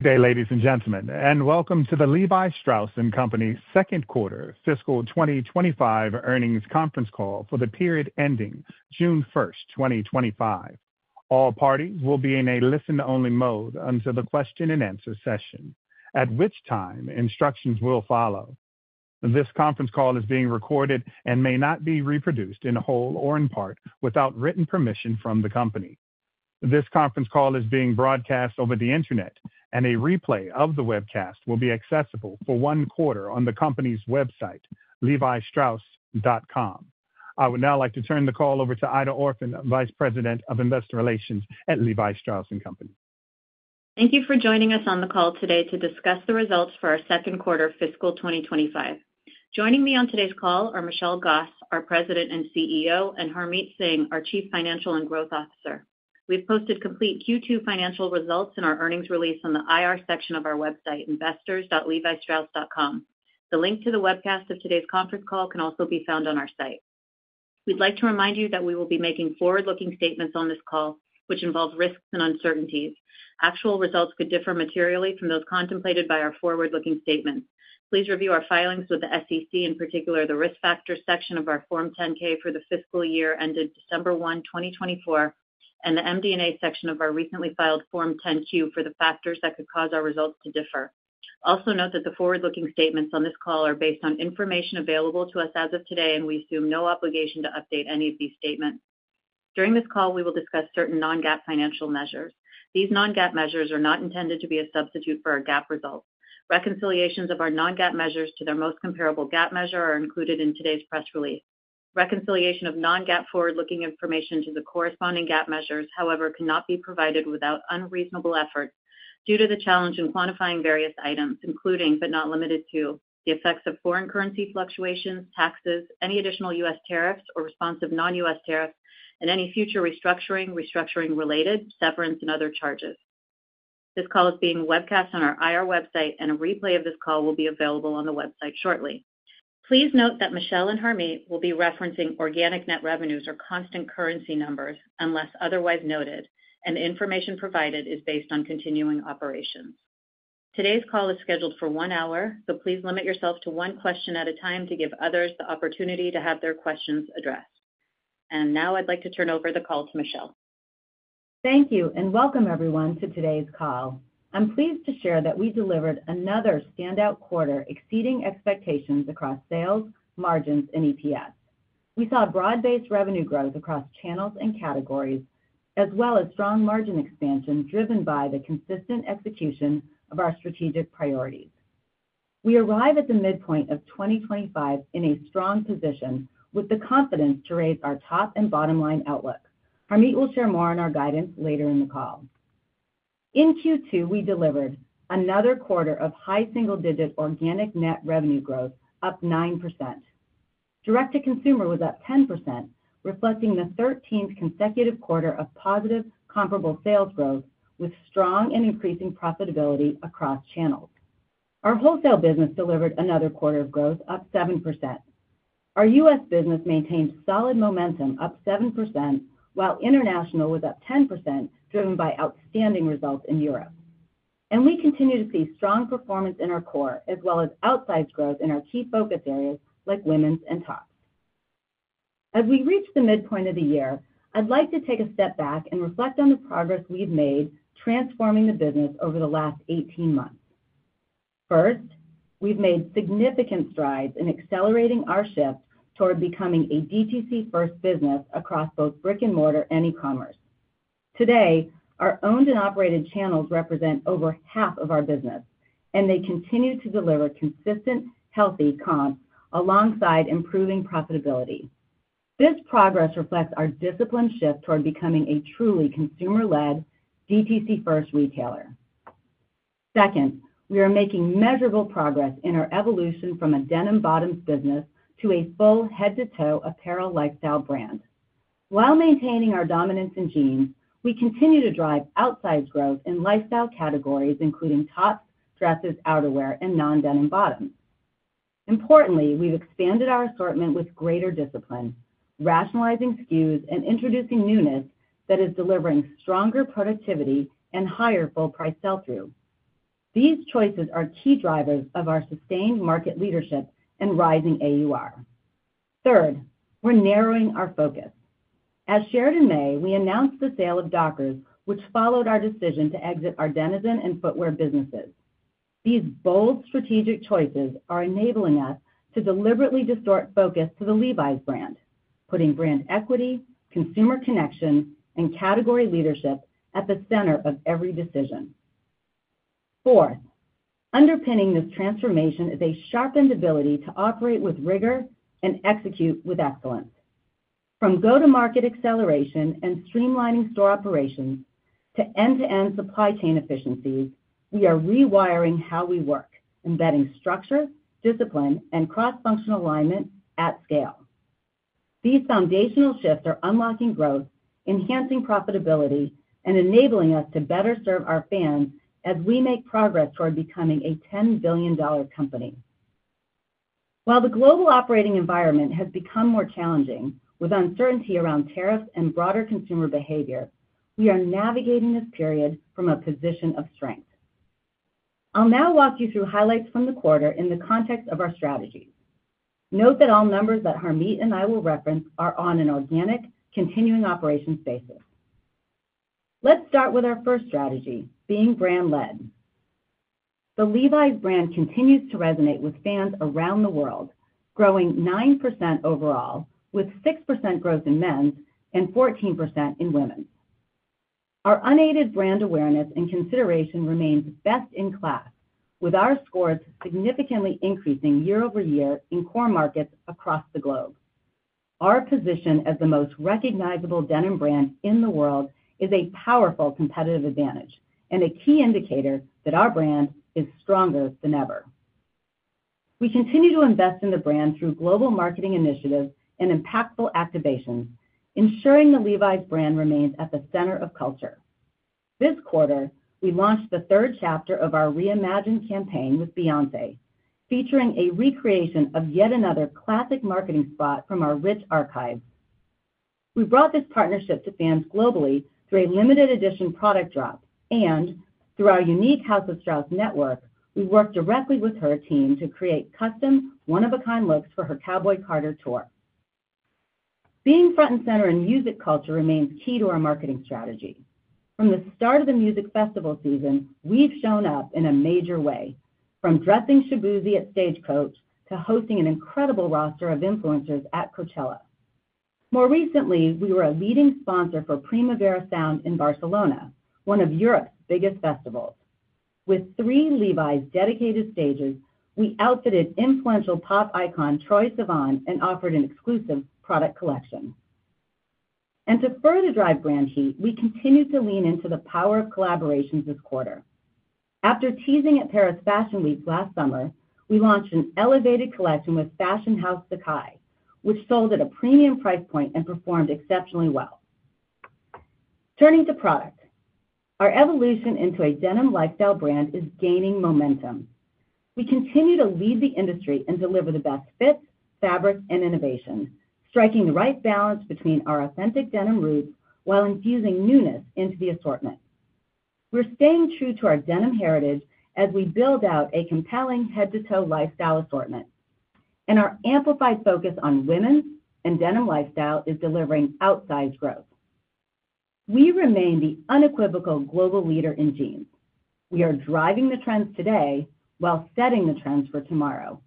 Day, ladies and gentlemen, and welcome to the Levi Strauss and Company Second Quarter Fiscal twenty twenty five Earnings Conference Call for the period ending 06/01/2025. All parties will be in a listen only mode until the question and answer session, at which time instructions will follow. This conference call is being recorded and may not be reproduced in whole or in part without written permission from the company. This conference call is being broadcast over the Internet and a replay of the webcast will be accessible for one quarter on the company's website, levistrauss.com. I would now like to turn the call over to Ida Orphan, Vice President of Investor Relations at Levi Strauss and Company. Thank you for joining us on the call today to discuss the results for our second quarter fiscal twenty twenty five. Joining me on today's call are Michelle Goss, our President and CEO and Harmit Singh, our Chief Financial and Growth Officer. We've posted complete Q2 financial results in our earnings release on the IR section of our website, investors.levistroutes.com. The link to the webcast of today's conference call can also be found on our site. We'd like to remind you that we will be making forward looking statements on this call, which involve risks and uncertainties. Actual results could differ materially from those contemplated by our forward looking statements. Please review our filings with the SEC, in particular the Risk Factors section of our Form 10 ks for the fiscal year ended 12/01/2024, and the MD and A section of our recently filed Form 10 Q for the factors that could cause our results to differ. Also note that the forward looking statements on this call are based on information available to us as of today, and we assume no obligation to update any of these statements. During this call, we will discuss certain non GAAP financial measures. These non GAAP measures are not intended to be a substitute for our GAAP results. Reconciliations of our non GAAP measures to their most comparable GAAP measure are included in today's press release. Reconciliation of non GAAP forward looking information to the corresponding GAAP measures, however, cannot be provided without unreasonable effort due to the challenge in quantifying various items, including, but not limited to, the effects of foreign currency fluctuations, taxes, any additional U. S. Tariffs or response of non U. S. Tariffs, and any future restructuring, restructuring related, severance and other charges. This call is being webcast on our IR website, and a replay of this call will be available on the website shortly. Please note that Michelle and Harmit will be referencing organic net revenues or constant currency numbers, unless otherwise noted, and the information provided is based on continuing operations. Today's call is scheduled for one hour, so please limit yourself to one question at a time to give others the opportunity to have their questions addressed. And now I'd like to turn over the call to Michelle. Thank you, and welcome, everyone, to today's call. I'm pleased to share that we delivered another standout quarter exceeding expectations across sales, margins, and EPS. We saw broad based revenue growth across channels and categories, as well as strong margin expansion driven by the consistent execution of our strategic priorities. We arrive at the midpoint of 2025 in a strong position with the confidence to raise our top and bottom line outlook. Harmit will share more on our guidance later in the call. In q two, we delivered another quarter of high single digit organic net revenue growth, up 9%. Direct to consumer was up 10%, reflecting the thirteenth consecutive quarter of positive comparable sales growth with strong and increasing profitability across channels. Our wholesale business delivered another quarter of growth, up 7%. Our US business maintained solid momentum, up 7%, while international was up 10%, driven by outstanding results in Europe. And we continue to see strong performance in our core as well as outsized growth in our key focus areas like women's and tops. As we reach the midpoint of the year, I'd like to take a step back and reflect on the progress we've made transforming the business over the last eighteen months. First, we've made significant strides in accelerating our shift toward becoming a DTC first business across both brick and mortar and e commerce. Today, our owned and operated channels represent over half of our business, and they continue to deliver consistent, healthy comp alongside improving profitability. This progress reflects our disciplined shift toward becoming a truly consumer led DTC first retailer. Second, we are making measurable progress in our evolution from a denim bottoms business to a full head to toe apparel lifestyle brand. While maintaining our dominance in jeans, we continue to drive outsized growth in lifestyle categories, including tops, dresses, outerwear, and nondenim bottoms. Importantly, we've expanded our assortment with greater discipline, rationalizing SKUs and introducing newness that is delivering stronger productivity and higher full price sell through. These choices are key drivers of our sustained market leadership and rising AUR. Third, we're narrowing our focus. As shared in May, we announced the sale of Dockers, which followed our decision to exit our Denizen and footwear businesses. These bold strategic choices are enabling us to deliberately distort focus to the Levi's brand, putting brand equity, consumer connection, and category leadership at the center of every decision. Fourth, underpinning this transformation is a sharpened ability to operate with rigor and execute with excellence. From go to market acceleration and streamlining store operations to end to end supply chain efficiencies, we are rewiring how we work, embedding structure, discipline, and cross functional alignment at scale. These foundational shifts are unlocking growth, enhancing profitability, and enabling us to better serve our fans as we make progress toward becoming a $10,000,000,000 company. While the global operating environment has become more challenging with uncertainty around tariffs and broader consumer behavior, we are navigating this period from a position of strength. I'll now walk you through highlights from the quarter in the context of our strategy. Note that all numbers that Harmit and I will reference are on an organic continuing operations basis. Let's start with our first strategy, being brand led. The Levi's brand continues to resonate with fans around the world, growing 9% overall, with 6% growth in men's and 14% in women's. Our unaided brand awareness and consideration remains best in class, with our scores significantly increasing year over year in core markets across the globe. Our position as the most recognizable denim brand in the world is a powerful competitive advantage and a key indicator that our brand is stronger than ever. We continue to invest in the brand through global marketing initiatives and impactful activations, ensuring the Levi's brand remains at the center of culture. This quarter, we launched the third chapter of our reimagine campaign with Beyonce, featuring a recreation of yet another classic marketing spot from our rich archive. We brought this partnership to fans globally through a limited edition product drop. And through our unique House of Strauss network, we worked directly with her team to create custom one of a kind looks for her Cowboy Carter tour. Being front and center in music culture remains key to our marketing strategy. From the start of the music festival season, we've shown up in a major way, from dressing Shabuzy at stagecoach to hosting an incredible roster of influencers at Coachella. More recently, we were a leading sponsor for Primavera Sound in Barcelona, one of Europe's biggest festivals. With three Levi's dedicated stages, we outfitted influential pop icon Troy Sivan and offered an exclusive product collection. And to further drive brand heat, we continue to lean into the power of collaborations this quarter. After teasing at Paris Fashion Week last summer, we launched an elevated collection with Fashion House Sakai, which sold at a premium price point and performed exceptionally well. Turning to product. Our evolution into a denim lifestyle brand is gaining momentum. We continue to lead the industry and deliver the best fit, fabric, and innovation, striking the right balance between our authentic denim roots while infusing newness into the assortment. We're staying true to our denim heritage as we build out a compelling head to toe lifestyle assortment. And our amplified focus on women's and denim lifestyle is delivering outsized growth. We remain the unequivocal global leader in jeans. We are driving the trends today while setting the trends for tomorrow.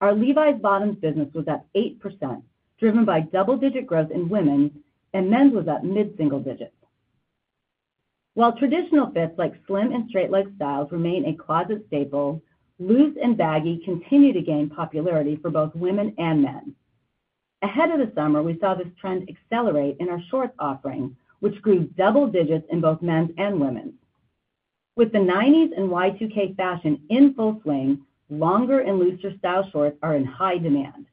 Our Levi's bottoms business was up 8%, driven by double digit growth in women's, and men's was up mid single digits. While traditional fits like slim and straight leg styles remain a closet staple, loose and baggy continue to gain popularity for both women and men. Ahead of the summer, we saw this trend accelerate in our shorts offering, which grew double digits in both men's and women's. With the nineties and y two k fashion in full swing, longer and looser style shorts are in high demand.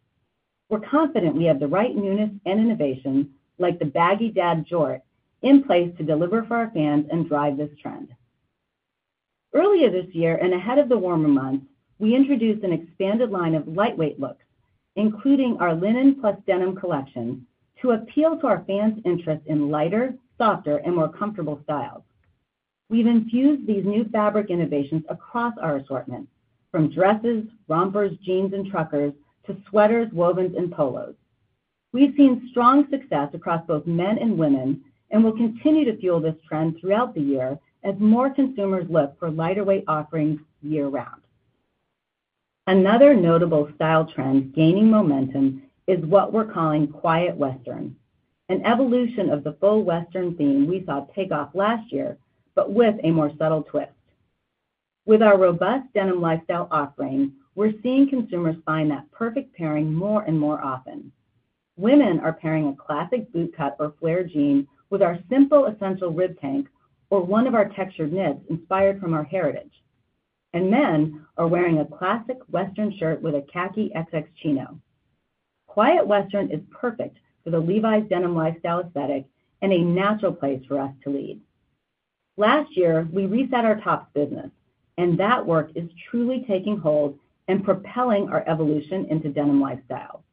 We're confident we have the right newness and innovation, like the baggy dad jort in place to deliver for our fans and drive this trend. Earlier this year and ahead of the warmer months, we introduced an expanded line of lightweight looks, including our linen plus denim collection to appeal to our fans' interest in lighter, softer, and more comfortable styles. We've infused these new fabric innovations across our assortment from dresses, rompers, jeans, and truckers to sweaters, wovens, and polos. We've seen strong success across both men and women, and we'll continue to fuel this trend throughout the year as more consumers look for lighter weight offerings year round. Another notable style trend gaining momentum is what we're calling quiet western, an evolution of the full western theme we saw take off last year, but with a more subtle twist. With our robust denim lifestyle offering, we're seeing consumers find that perfect pairing more and more often. Women are pairing a classic boot cut or flare jean with our simple essential rib tank or one of our textured knits inspired from our heritage. And men are wearing a classic western shirt with a khaki XX chino. Quiet western is perfect for the Levi's denim lifestyle aesthetic and a natural place for us to lead. Last year, we reset our tops business, and that work is truly taking hold and propelling our evolution into denim lifestyle.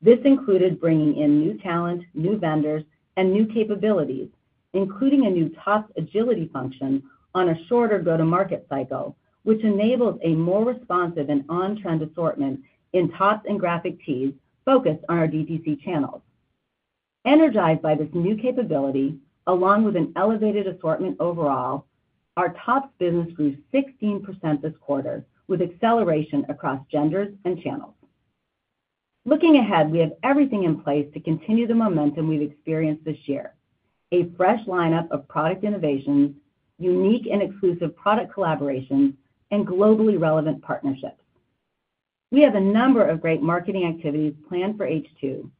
This included bringing in new talent, new vendors, and new capabilities, including a new toss agility function on a shorter go to market cycle, which enables a more responsive and on trend assortment in toss and graphic tees focused on our DTC channels. Energized by this new capability, along with an elevated assortment overall, our tops business grew 16% this quarter with acceleration across genders and channels. Looking ahead, we have everything in place to continue the momentum we've experienced this year. A fresh lineup of product innovations, unique and exclusive product collaborations, and globally relevant partnerships. We have a number of great marketing activities planned for h two,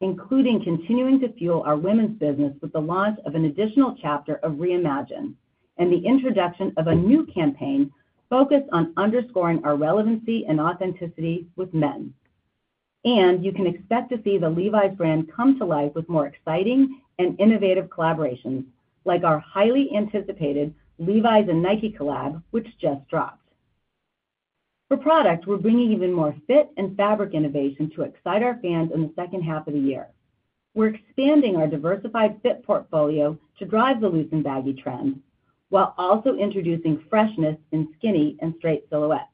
including continuing to fuel our women's business with the launch of an additional chapter of reimagine and the introduction of a new campaign focused on underscoring our relevancy and authenticity with men. And you can expect to see the Levi's brand come to life with more exciting and innovative collaborations like our highly anticipated Levi's and Nike collab, which just dropped. For product, we're bringing even more fit and fabric innovation to excite our fans in the second half of the year. We're expanding our diversified fit portfolio to drive the loose and baggy trend, while also introducing freshness in skinny and straight silhouette.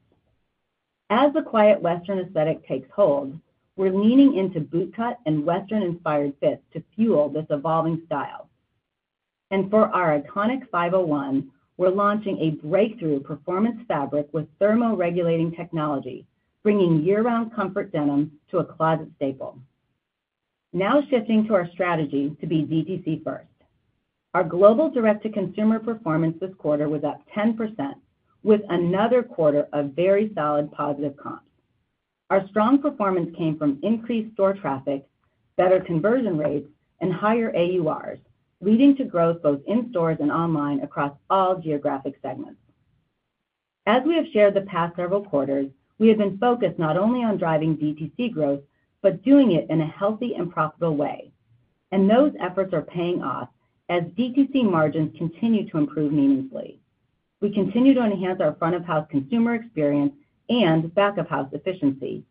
As the quiet western aesthetic takes hold, we're leaning into bootcut and western inspired fits to fuel this evolving style. And for our iconic five zero one, we're launching a breakthrough performance fabric with thermoregulating technology, bringing year round comfort denim to a closet staple. Now shifting to our strategy to be DTC first. Our global direct to consumer performance this quarter was up 10 with another quarter of very solid positive comps. Our strong performance came from increased store traffic, better conversion rates, and higher AURs, leading to growth both in stores and online across all geographic segments. As we have shared the past several quarters, we have been focused not only on driving DTC growth, but doing it in a healthy and profitable way. And those efforts are paying off as DTC margins continue to improve meaningfully. We continue to enhance our front of house consumer experience and back of house efficiency.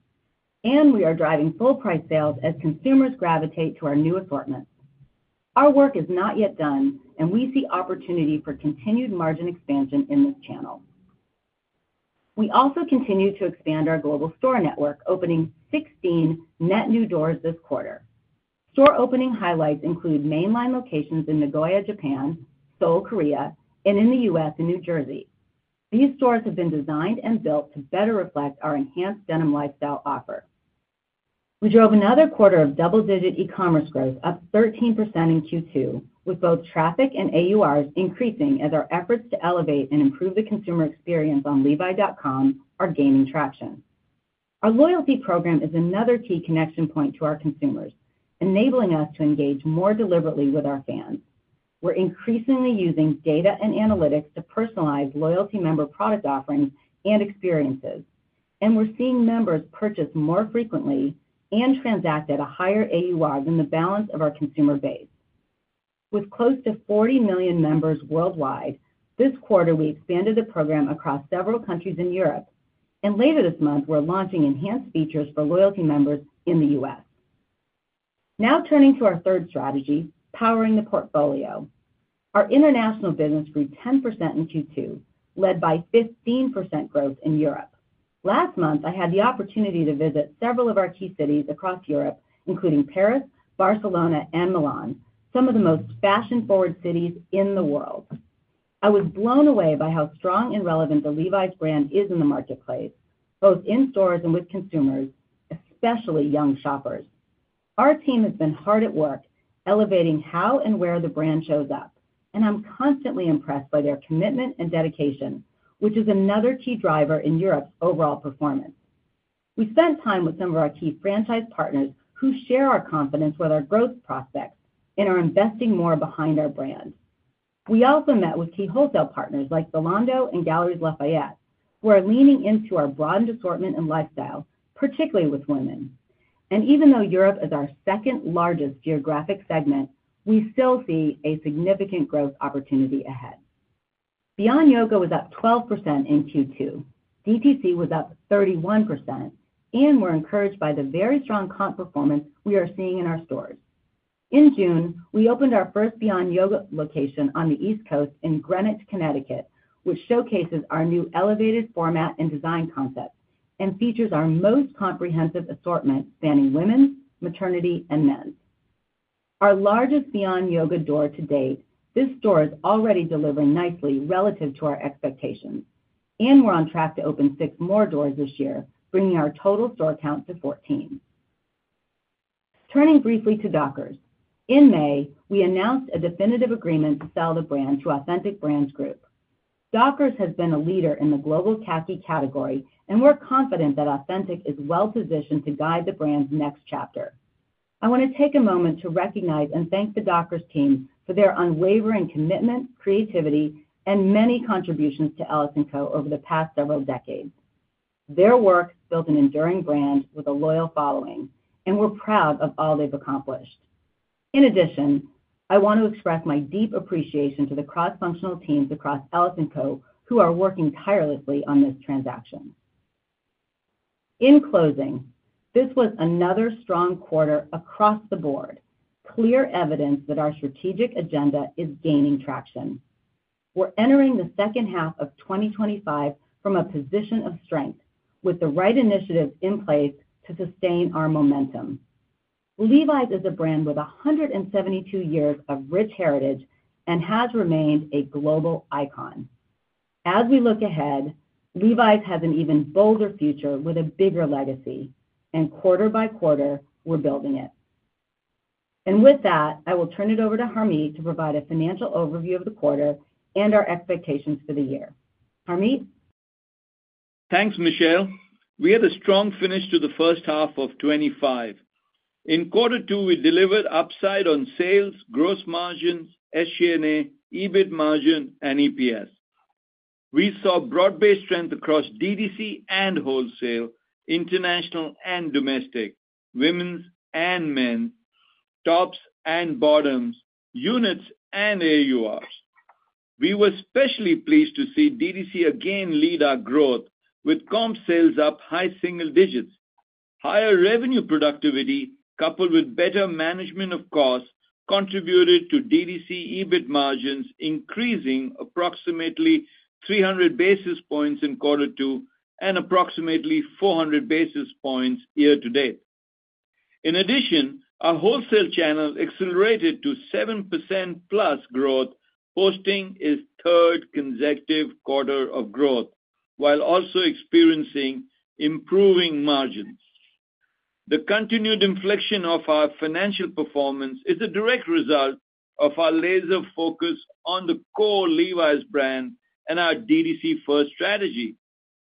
And we are driving full price sales as consumers gravitate to our new assortment. Our work is not yet done, and we see opportunity for continued margin expansion in this channel. We also continue to expand our global store network, opening 16 net new doors this quarter. Store opening highlights include mainline locations in Nagoya, Japan, Seoul, Korea, and in The US in New Jersey. These stores have been designed and built to better reflect our enhanced denim lifestyle offer. We drove another quarter of double digit e commerce growth, up 13% in q two, with both traffic and AURs increasing as our efforts to elevate and improve the consumer experience on levi.com are gaining traction. Our loyalty program is another key connection point to our consumers, enabling us to engage more deliberately with our fans. We're increasingly using data and analytics to personalize loyalty member product offerings and experiences. And we're seeing members purchase more frequently and transact at a higher AUR than the balance of our consumer base. With close to 40,000,000 members worldwide, this quarter we expanded the program across several countries in Europe. And later this month, we're launching enhanced features for loyalty members in The US. Now turning to our third strategy, powering the portfolio. Our international business grew 10% in q two, led by 15% growth in Europe. Last month, I had the opportunity to visit several of our key cities across Europe, including Paris, Barcelona, and Milan, some of the most fashion forward cities in the world. I was blown away by how strong and relevant the Levi's brand is in the marketplace, both in stores and with consumers, especially young shoppers. Our team has been hard at work elevating how and where the brand shows up, and I'm constantly impressed by their commitment and dedication, which is another key driver in Europe's overall performance. We spent time with some of our key franchise partners who share our confidence with our growth prospects and are investing more behind our brand. We also met with key wholesale partners like Zalando and Galleries Lafayette, who are leaning into our broad assortment and lifestyle, particularly with women. And even though Europe is our second largest geographic segment, we still see a significant growth opportunity ahead. Beyond Yoga was up 12% in q two. DTC was up 31%, and we're encouraged by the very strong comp performance we are seeing in our stores. In June, we opened our first Beyond Yoga location on the East Coast in Greenwich, Connecticut, which showcases our new elevated format and design concept and features our most comprehensive assortment spanning women's, maternity, and men's. Our largest beyond yoga door to date, this store is already delivering nicely relative to our expectations, and we're on track to open six more doors this year, bringing our total store count to 14. Turning briefly to Dockers. In May, we announced a definitive agreement to sell the brand to Authentic Brands Group. Dockers has been a leader in the global CACI category, and we're confident that Authentic is well positioned to guide the brand's next chapter. I want to take a moment to recognize and thank the Dockers team for their unwavering commitment, creativity, and many contributions to Ellis and Co over the past several decades. Their work built an enduring brand with a loyal following, and we're proud of all they've accomplished. In addition, I want to express my deep appreciation to the cross functional teams across Ellis and Co, who are working tirelessly on this transaction. In closing, this was another strong quarter across the board, clear evidence that our strategic agenda is gaining traction. We're entering the second half of twenty twenty five from a position of strength with the right initiatives in place to sustain our momentum. Levi's is a brand with one hundred and seventy two years of rich heritage and has remained a global icon. As we look ahead, Levi's has an even bolder future with a bigger legacy. And quarter by quarter, we're building it. And with that, I will turn it over to Harmit to provide a financial overview of the quarter and our expectations for the year. Harmit? Thanks, Michelle. We had a strong finish to the first half of twenty five. In quarter two, we delivered upside on sales, gross margins, SG and A, EBIT margin and EPS. We saw broad based strength across DDC and wholesale, international and domestic, women's and men's, tops and bottoms, units and AURs. We were especially pleased to see DDC again lead our growth, with comp sales up high single digits. Higher revenue productivity, coupled with better management of costs, contributed to DDC EBIT margins increasing approximately 300 basis points in quarter two, and approximately 400 basis points year to date. In addition, our wholesale channel accelerated to 7% plus growth, posting its third consecutive quarter of growth, while also experiencing improving margins. The continued inflection of our financial performance is a direct result of our laser focus on the core Levi's brand and our DDC First strategy.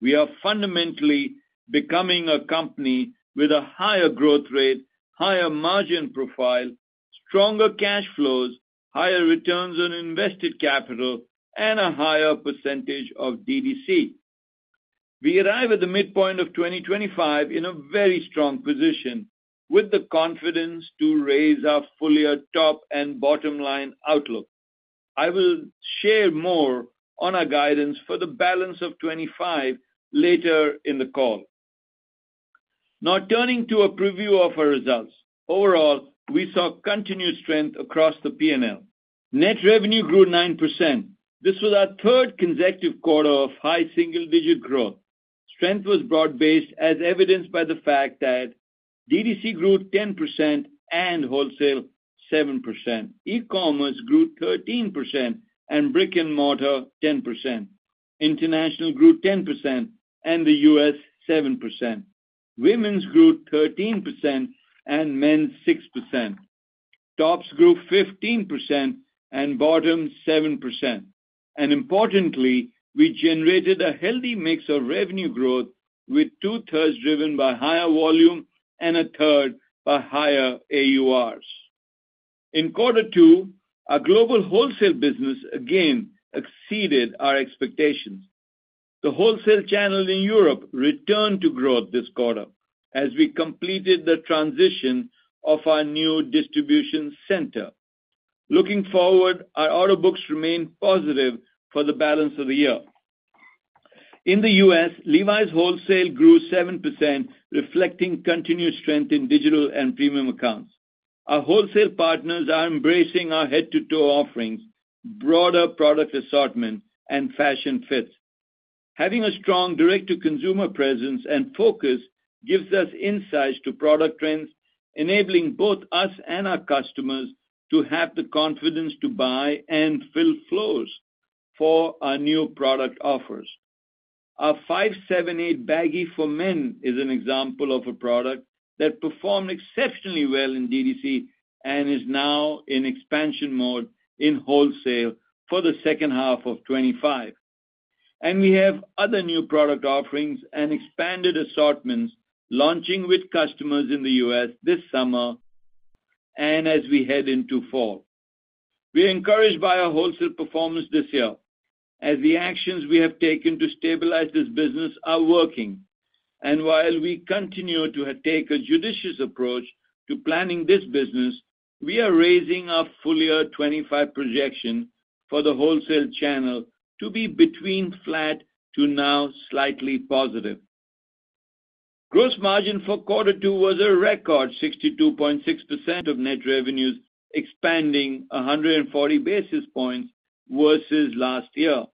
We are fundamentally becoming a company with a higher growth rate, higher margin profile, stronger cash flows, higher returns on invested capital, and a higher percentage of DDC. We arrive at the midpoint of 2025 in a very strong position, with the confidence to raise our full year top and bottom line outlook. I will share more on our guidance for the balance of 'twenty five later in the call. Now turning to a preview of our results. Overall, we saw continued strength across the P and L. Net revenue grew 9%. This was our third consecutive quarter of high single digit growth. Strength was broad based, as evidenced by the fact that DTC grew 10% and wholesale 7%. E commerce grew 13% and brick and mortar 10%. International grew 10% and The US 7%. Women's grew 13% and men's 6%. Tops grew 15% and bottoms 7%. And importantly, we generated a healthy mix of revenue growth, with two thirds driven by higher volume and a third by higher AURs. In quarter two, our global wholesale business again exceeded our expectations. The wholesale channel in Europe returned to growth this quarter, as we completed the transition of our new distribution center. Looking forward, our order books remain positive for the balance of the year. In The US, Levi's wholesale grew 7%, reflecting continued strength in digital and premium accounts. Our wholesale partners are embracing our head to toe offerings, broader product assortment, and fashion fits. Having a strong direct to consumer presence and focus gives us insights to product trends, enabling both us and our customers to have the confidence to buy and fill flows for our new product offers. Our $5.78 Baggy for Men is an example of a product that performed exceptionally well in DDC, and is now in expansion mode in wholesale for the second half of 'twenty five. And we have other new product offerings and expanded assortments launching with customers in The US this summer and as we head into fall. We're encouraged by our wholesale performance this year, as the actions we have taken to stabilize this business are working. And while we continue to take a judicious approach to planning this business, we are raising our full year 'twenty five projection for the wholesale channel to be between flat to now slightly positive. Gross margin for quarter two was a record 62.6% of net revenues, expanding 140 basis points versus last year.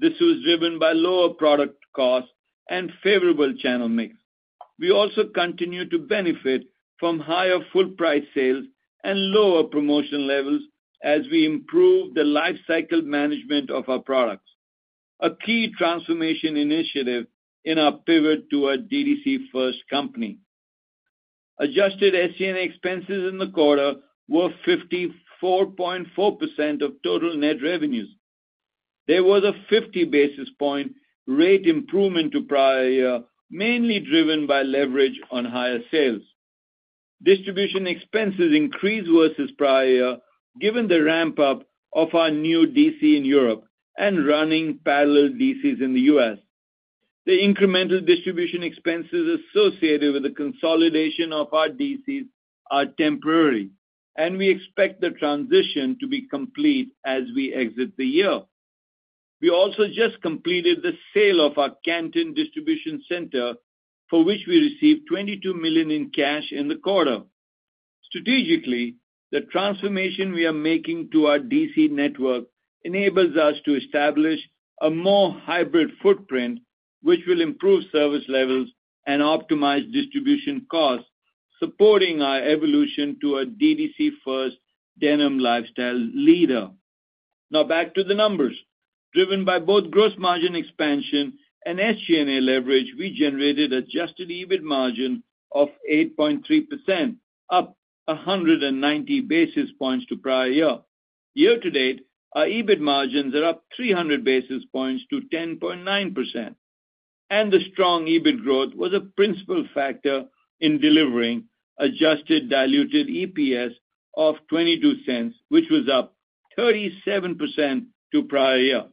This was driven by lower product costs and favorable channel mix. We also continued to benefit from higher full price sales and lower promotional levels as we improved the lifecycle management of our products, a key transformation initiative in our pivot to a DDC first company. Adjusted SG and A expenses in the quarter were 54.4% of total net revenues. There was a 50 basis point rate improvement to prior year, mainly driven by leverage on higher sales. Distribution expenses increased versus prior year, given the ramp up of our new DC in Europe, and running parallel DCs in The US. The incremental distribution expenses associated with the consolidation of our DCs are temporary, and we expect the transition to be complete as we exit the year. We also just completed the sale of our Canton distribution center, for which we received $22,000,000 in cash in the quarter. Strategically, the transformation we are making to our DC network enables us to establish a more hybrid footprint, which will improve service levels and optimize distribution costs, supporting our evolution to a DDC first denim lifestyle leader. Now back to the numbers. Driven by both gross margin expansion and SG and A leverage, we generated adjusted EBIT margin of 8.3%, up 190 basis points to prior year. Year to date, our EBIT margins are up 300 basis points to 10.9%. And the strong EBIT growth was a principal factor in delivering adjusted diluted EPS of $0.22 which was up 37 to prior year.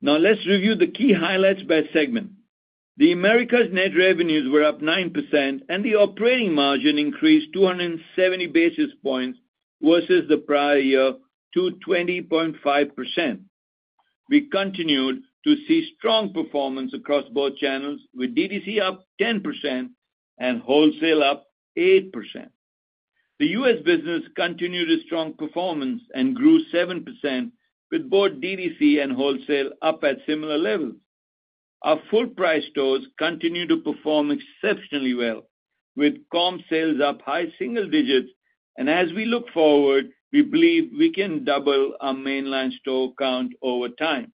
Now, let's review the key highlights by segment. The Americas net revenues were up 9%, and the operating margin increased two seventy basis points versus the prior year to 20.5%. We continued to see strong performance across both channels, with DTC up 10% and wholesale up 8%. The US business continued its strong performance and grew 7%, with both DTC and wholesale up at similar levels. Our full price stores continue to perform exceptionally well, with comp sales up high single digits. And as we look forward, we believe we can double our mainline store count over time.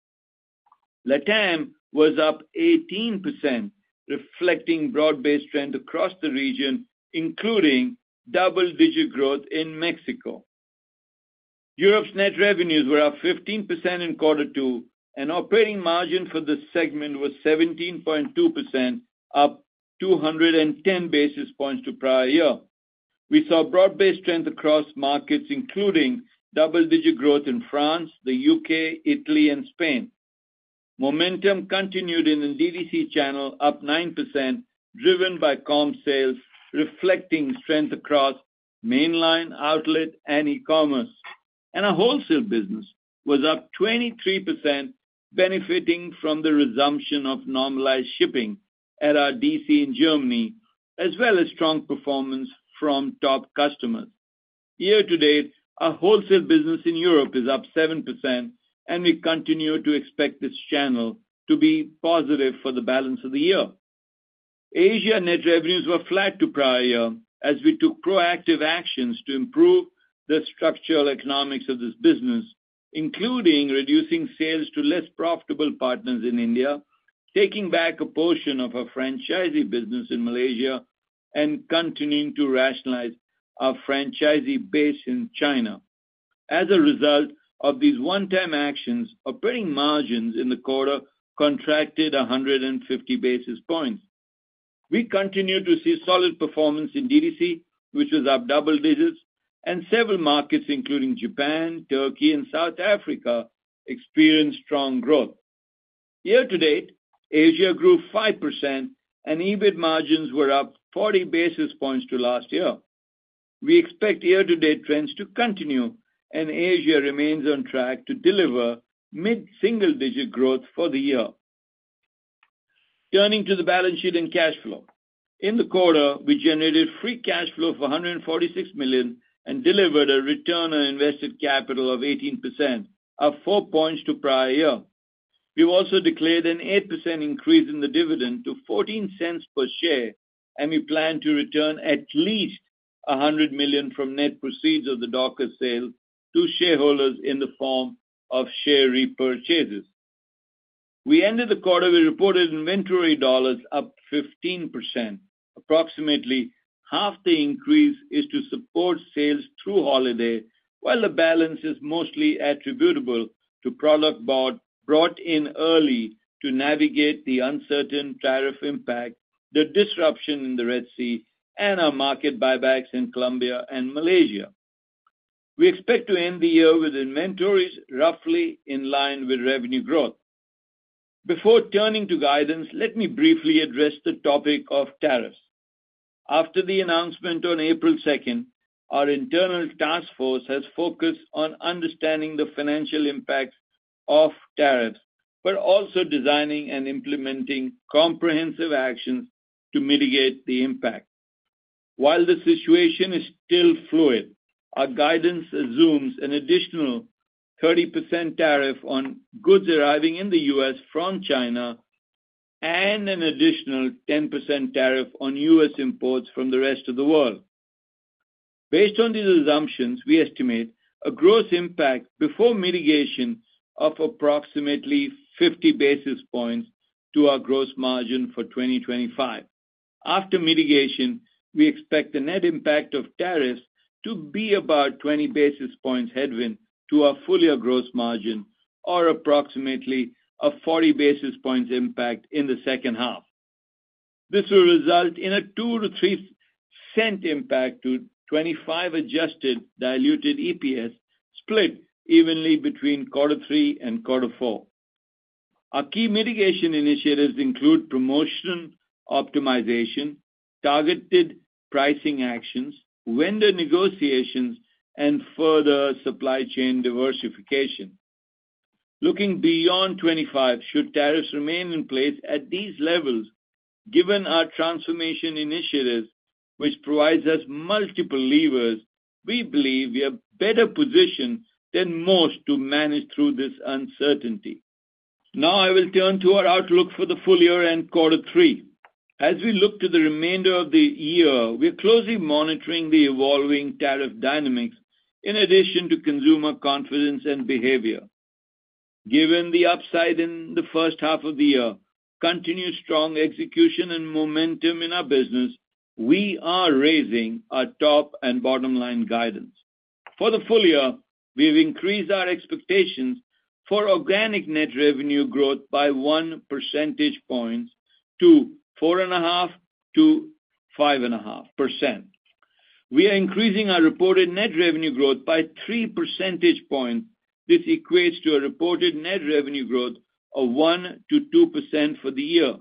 LATAM was up 18%, reflecting broad based trend across the region, including double digit growth in Mexico. Europe's net revenues were up 15% in quarter two, and operating margin for this segment was 17.2%, up two ten basis points to prior year. We saw broad based strength across markets, including double digit growth in France, The UK, Italy, and Spain. Momentum continued in the DTC channel, up 9%, driven by comp sales, reflecting strength across mainline, outlet and e commerce. And our wholesale business was up 23%, benefiting from the resumption of normalized shipping at our DC in Germany, as well as strong performance from top customers. Year to date, our wholesale business in Europe is up 7%, and we continue to expect this channel to be positive for the balance of the year. Asia net revenues were flat to prior year, as we took proactive actions to improve the structural economics of this business, including reducing sales to less profitable partners in India, taking back a portion of our franchisee business in Malaysia, and continuing to rationalize our franchisee base in China. As a result of these one time actions, operating margins in the quarter contracted 150 basis points. We continue to see solid performance in DDC, which was up double digits, and several markets, including Japan, Turkey and South Africa, experienced strong growth. Year to date, Asia grew 5% and EBIT margins were up 40 basis points to last year. We expect year to date trends to continue, and Asia remains on track to deliver mid single digit growth for the year. Turning to the balance sheet and cash flow. In the quarter, we generated free cash flow of $146,000,000 and delivered a return on invested capital of 18%, up four points to prior year. We've also declared an 8% increase in the dividend to $0.14 per share, and we plan to return at least $100,000,000 from net proceeds of the Dockers sale to shareholders in the form of share repurchases. We ended the quarter with reported inventory dollars up 15%. Approximately half the increase is to support sales through holiday, while the balance is mostly attributable to products brought in early to navigate the uncertain tariff impact, the disruption in the Red Sea, and our market buybacks in Colombia and Malaysia. We expect to end the year with inventories roughly in line with revenue growth. Before turning to guidance, let me briefly address the topic of tariffs. After the announcement on April 2, our internal task force has focused on understanding the financial impact of tariffs, but also designing and implementing comprehensive actions to mitigate the impact. While the situation is still fluid, our guidance assumes an additional 30% tariff on goods arriving in The US from China, and an additional 10% tariff on US imports from the rest of the world. Based on these assumptions, we estimate a gross impact before mitigation of approximately 50 basis points to our gross margin for 2025. After mitigation, we expect the net impact of tariffs to be about 20 basis points headwind to our full year gross margin, or approximately a 40 basis points impact in the second half. This will result in a $02 to $03 impact to $0.25 adjusted diluted EPS, split evenly between quarter three and quarter four. Our key mitigation initiatives include promotion optimization, targeted pricing actions, vendor negotiations, and further supply chain diversification. Looking beyond '25, should tariffs remain in place at these levels, given our transformation initiatives, which provides us multiple levers, we believe we are better positioned than most to manage through this uncertainty. Now I will turn to our outlook for the full year and quarter three. As we look to the remainder of the year, we're closely monitoring the evolving tariff dynamics, in addition to consumer confidence and behavior. Given the upside in the first half of the year, continued strong execution and momentum in our business, we are raising our top and bottom line guidance. For the full year, we've increased our expectations for organic net revenue growth by one percentage point to 4.5% to 5.5%. We are increasing our reported net revenue growth by three percentage points. This equates to a reported net revenue growth of 1% to 2% for the year.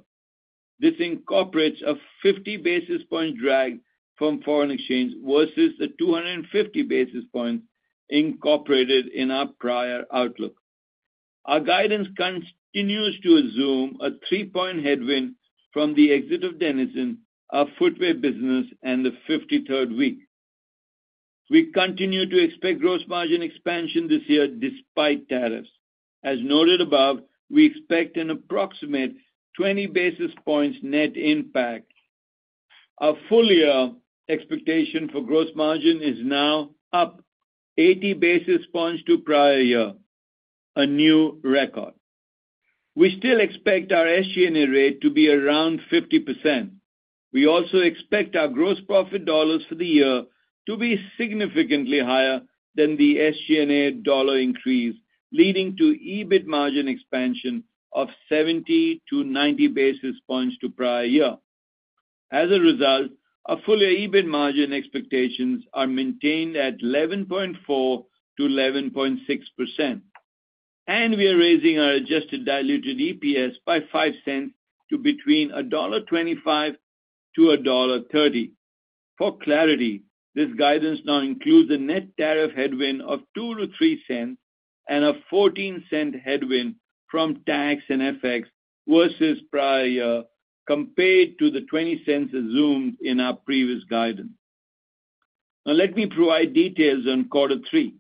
This incorporates a 50 basis point drag from foreign exchange, versus a two fifty basis point incorporated in our prior outlook. Our guidance continues to assume a three point headwind from the exit of Denison, our footwear business, and the fifty third week. We continue to expect gross margin expansion this year despite tariffs. As noted above, we expect an approximate 20 basis points net impact. Our full year expectation for gross margin is now up 80 basis points to prior year, a new record. We still expect our SG and A rate to be around 50%. We also expect our gross profit dollars for the year to be significantly higher than the SG and A dollar increase, leading to EBIT margin expansion of 70 to 90 basis points to prior year. As a result, our full year EBIT margin expectations are maintained at 11.4% to 11.6%. And we are raising our adjusted diluted EPS by $05 to between $1.25 to $1.3 For clarity, this guidance now includes a net tariff headwind of $02 to $03 and a $0.14 headwind from tax and FX versus prior compared to the $0.20 assumed in our previous guidance. Now let me provide details on quarter three.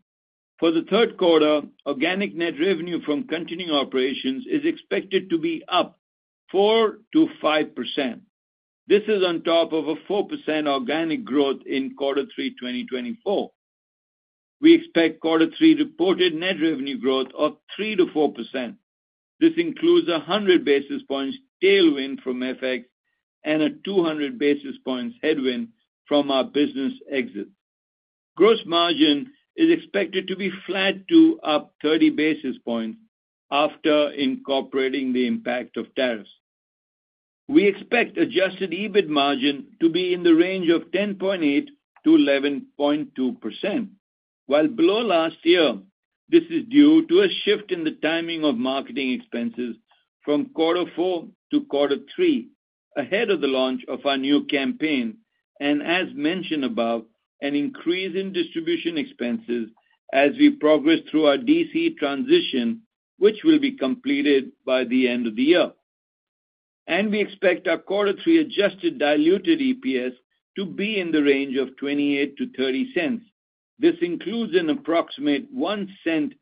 For the third quarter, organic net revenue from continuing operations is expected to be up 4% to 5%. This is on top of a 4% organic growth in quarter three twenty twenty four. We expect quarter three reported net revenue growth of 3% to 4%. This includes a 100 basis points tailwind from FX and a 200 basis points headwind from our business exit. Gross margin is expected to be flat to up 30 basis points after incorporating the impact of tariffs. We expect adjusted EBIT margin to be in the range of 10.8% to 11.2%, while below last year. This is due to a shift in the timing of marketing expenses from quarter four to quarter three, ahead of the launch of our new campaign, and as mentioned above, an increase in distribution expenses as we progress through our DC transition, which will be completed by the end of the year. And we expect our quarter three adjusted diluted EPS to be in the range of $0.28 to $0.30 This includes an approximate $01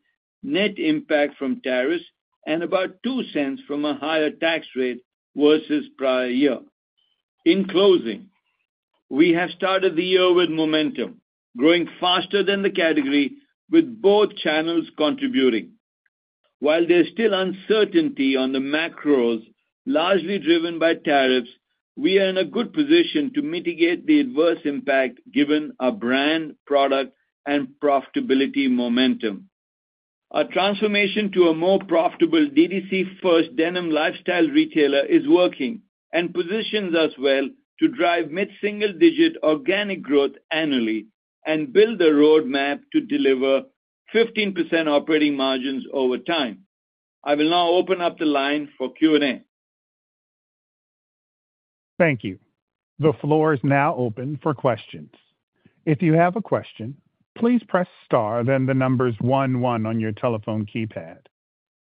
net impact from tariffs, and about $02 from a higher tax rate versus prior year. In closing, we have started the year with momentum, growing faster than the category, with both channels contributing. While there's still uncertainty on the macros, largely driven by tariffs, we are in a good position to mitigate the adverse impact, given our brand, product, and profitability momentum. Our transformation to a more profitable, DDC first denim lifestyle retailer is working, and positions us well to drive mid single digit organic growth annually, and build a roadmap to deliver 15% operating margins over time. I will now open up the line for Q and A. Thank you. The floor is now open for questions. If you have a question, please press star then the numbers one one on your telephone keypad.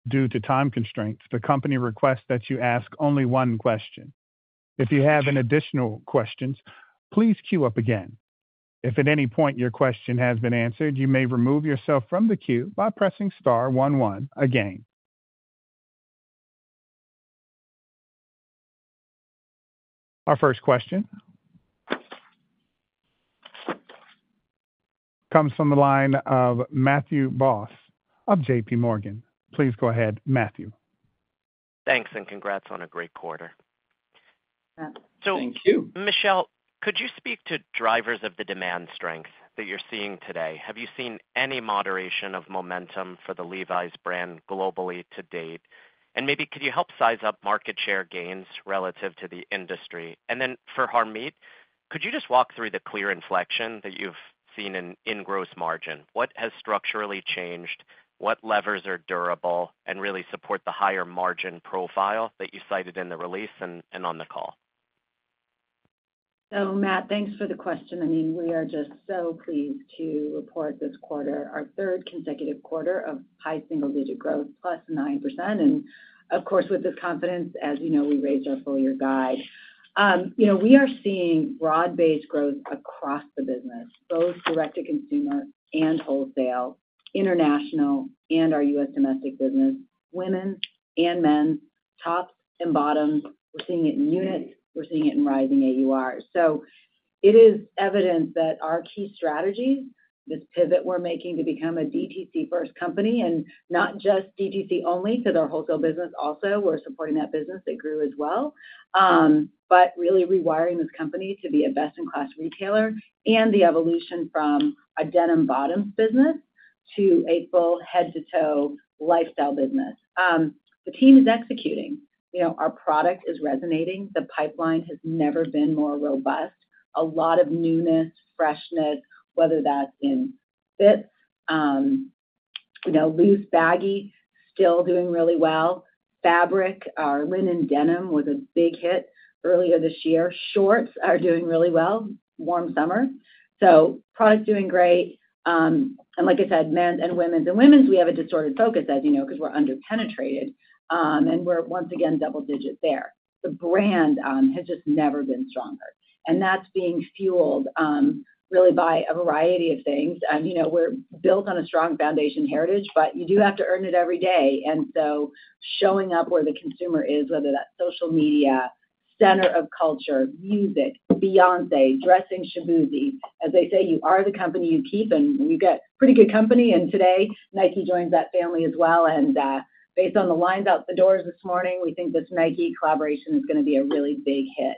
Due to time constraints, the company requests that you ask only one question. You have any additional questions, please queue up again. If at any point your question has been answered, you may remove yourself from the queue by pressing again. Our first question comes from the line of Matthew Boss of JPMorgan. Please go ahead, Matthew. Thanks and congrats on a great quarter. Thank So Michelle, could you speak to drivers of the demand strength that you're seeing today? Have you seen any moderation of momentum for the Levi's brand globally to date? And maybe could you help size up market share gains relative to the industry? And then for Harmit, could you just walk through the clear inflection that you've seen in gross margin? What has structurally changed? What levers are durable and really support the higher margin profile that you cited in the release and on the call? So, Matt, thanks for the question. I mean, we are just so pleased to report this quarter our third consecutive quarter of high single digit growth, plus 9%. And, of course, with this confidence, as you know, we raised our full year guide. We are seeing broad based growth across the business, both direct to consumer and wholesale, international and our US domestic business, women's and men's, tops and bottoms. We're seeing it in units. We're seeing it in rising AURs. So it is evidence that our key strategies, this pivot we're making to become a DTC first company, and not just DTC only to their wholesale business also. We're supporting that business. They grew as well. But really rewiring this company to be a best in class retailer and the evolution from a denim bottoms business to a full head to toe lifestyle business. The team is executing. Our product is resonating. The pipeline has never been more robust. A lot of newness, freshness, whether that's in fits. Loose baggy still doing really well. Fabric our linen denim was a big hit earlier this year. Shorts are doing really well, warm summer. So products doing great. And like I said, men's and women's. And women's, have a distorted focus, as you know, because we're underpenetrated. And we're once again double digit there. The brand has just never been stronger. And that's being fueled really by a variety of things. And we're built on a strong foundation heritage, but you do have to earn it every day. And so showing up where the consumer is, whether that's social media, center of culture, music, Beyonce, dressing Shaboozy. As they say, you are the company you keep and you get pretty good company. And today Nike joins that family as well. And based on the lines out the doors this morning, we think this Nike collaboration is going to be a really big hit.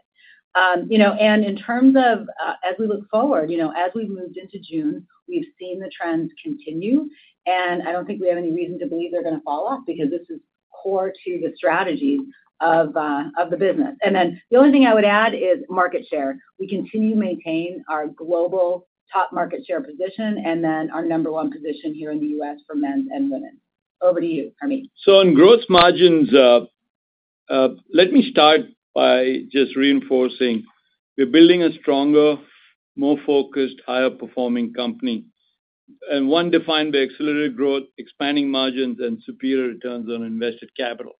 And in terms of as we look forward, as we've moved into June, we've seen the trends continue. And I don't think we have any reason to believe they're going to fall off because this is core to the strategies of the business. And then the only thing I would add is market share. We continue to maintain our global top market share position and then our number one position here in The US for men's and women. Over to you, Hermit. So on gross margins, let me start by just reinforcing. We're building a stronger, more focused, higher performing company. And one defined by accelerated growth, expanding margins, and superior returns on invested capital.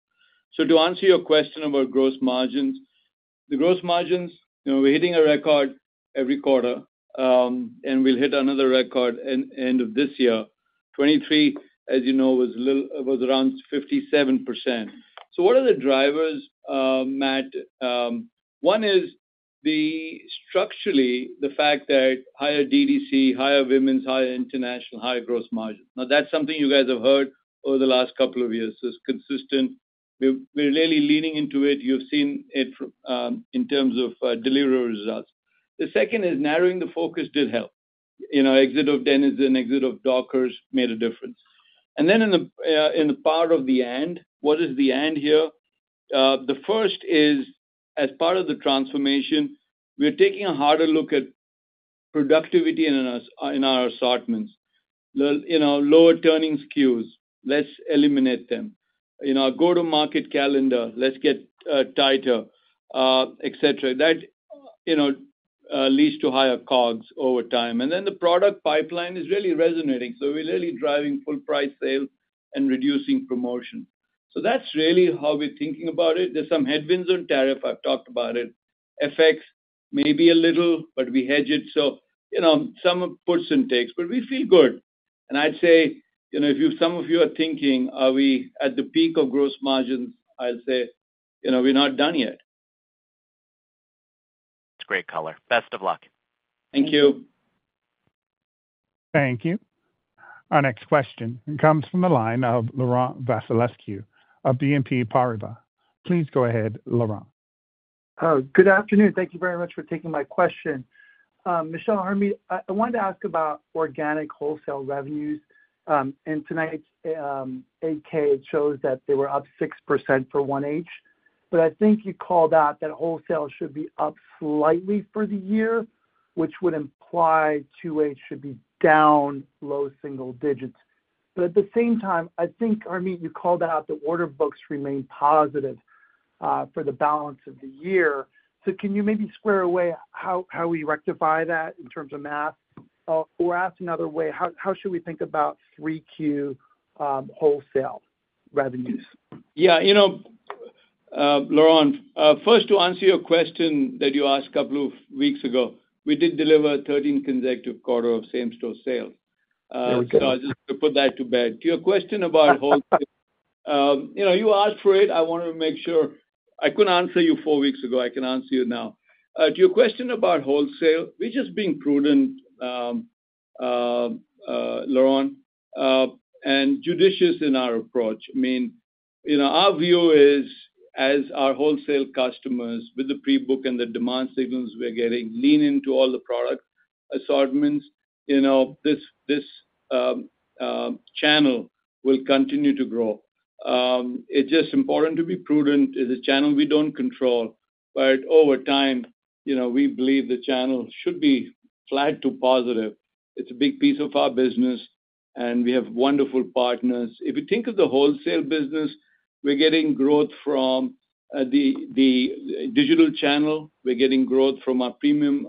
So to answer your question about gross margins, the gross margins, we're hitting a record every quarter, and we'll hit another record end of this year. 23%, as you know, was around 57%. So what are the drivers, Matt? One is structurally the fact that higher DTC, higher women's, higher international, higher gross margin. Now that's something you guys have heard over the last couple of years. It's consistent. We're really leaning into it. You've seen it in terms of delivery results. The second is narrowing the focus did help. Exit of Denizen, exit of Dockers made a difference. And then in the part of the and, what is the and here? The first is, as part of the transformation, we're taking a harder look at productivity in our assortments. Lower turning SKUs, let's eliminate them. Our go to market calendar, let's get tighter, etcetera. That leads to higher COGS over time. And then the product pipeline is really resonating. So we're really driving full price sales and reducing promotion. So that's really how we're thinking about it. There's some headwinds on tariff, I've talked about it. FX maybe a little, but we hedge it. So some puts and takes, but we feel good. And I'd say if some of you are thinking, Are we at the peak of gross margins? I'd say, you know, we're not done yet. That's great color. Best of luck. Thank Thank you. Our next question comes from the line of Laurent Vasilescu of BNP Paribas. Please go ahead, Laurent. Good afternoon. Thank you very much for taking my question. Michelle and Hermie, I wanted to ask about organic wholesale revenues. In tonight's eight ks, it shows that they were up 6% for one h. But I think you called out that wholesale should be up slightly for the year, which would imply two h should be down low single digits. But at the same time, I think, Armit, you called out the order books remain positive for the balance of the year. So can you maybe square away how how we rectify that in terms of math? Or ask another way, how how should we think about 3 q wholesale revenues? Yeah, you know, Laurent, first to answer your question that you asked a couple of weeks ago, we did deliver 13 consecutive quarters of same store sales. So I'll just put that to bed. To your question about you asked for it, I wanted to make sure I couldn't answer you four weeks ago, can answer you now. To your question about wholesale, we're just being prudent, Laurent, and judicious in our approach. Our view is, as our wholesale customers with the pre book and the demand signals we're getting lean into all the product assortments, this channel will continue to grow. It's just important to be prudent. It's a channel we don't control, but over time, we believe the channel should be flat to positive. It's a big piece of our business and we have wonderful partners. If you think of the wholesale business, we're getting growth from the digital channel, we're getting growth from our premium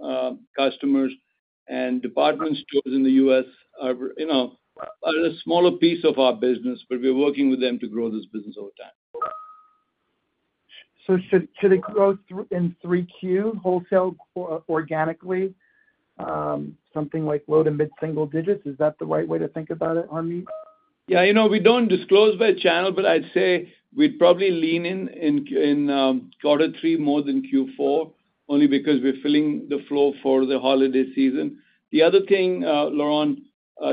customers, and department stores in The US are, you know, are a smaller piece of our business, but we're working with them to grow this business over time. So should it grow in 3Q wholesale organically, something like low to mid single digits? Is that the right way to think about it, Harmit? Yeah, we don't disclose by channel, but I'd say we'd probably lean in quarter three more than Q4, only because we're filling the flow for the holiday season. The other thing, Laurent,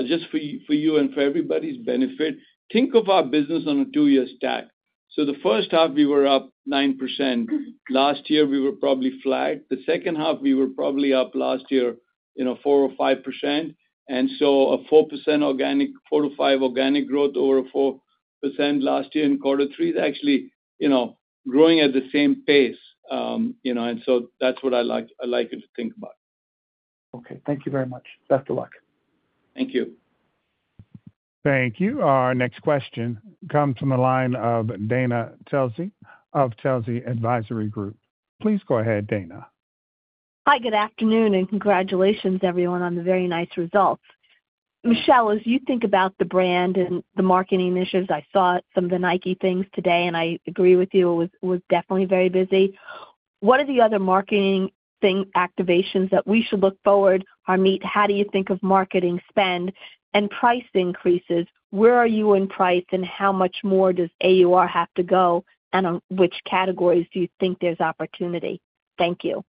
just for you and for everybody's benefit, think of our business on a two year stack. So the first half we were up 9%. Last year we were probably flat. The second half we were probably up last year 4% or 5%. And so a four organic, 4% to 5% organic growth over 4% last year in quarter three is actually growing at the same pace. And so that's what I like you to think about. Okay, thank you very much. Best of luck. Thank you. Thank you. Our next question comes from the line of Dana Telsey of Telsey Advisory Group. Please go ahead, Dana. Hi, good afternoon and congratulations everyone on the very nice results. Michelle, as you think about the brand and the marketing initiatives, I saw some of the Nike things today and I agree with you, was definitely very busy. What are the other marketing activations that we should look forward? Harmeet, how do you think of marketing spend? And price increases, where are you in price? And how much more does AUR have to go? And which categories do you think there's opportunity? Thank you.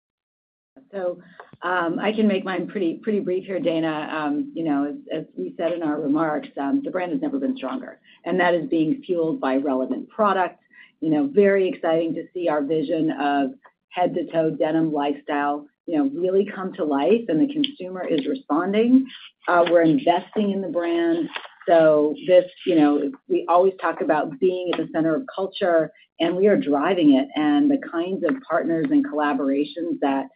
So I can make mine pretty brief here, Dana. As we said in our remarks, the brand has never been stronger. And that is being fueled by relevant product. Very exciting to see our vision of head to toe denim lifestyle really come to life, and the consumer is responding. We're investing in the brand. So we always talk about being at the center of culture, and we are driving it and the kinds of partners and collaborations that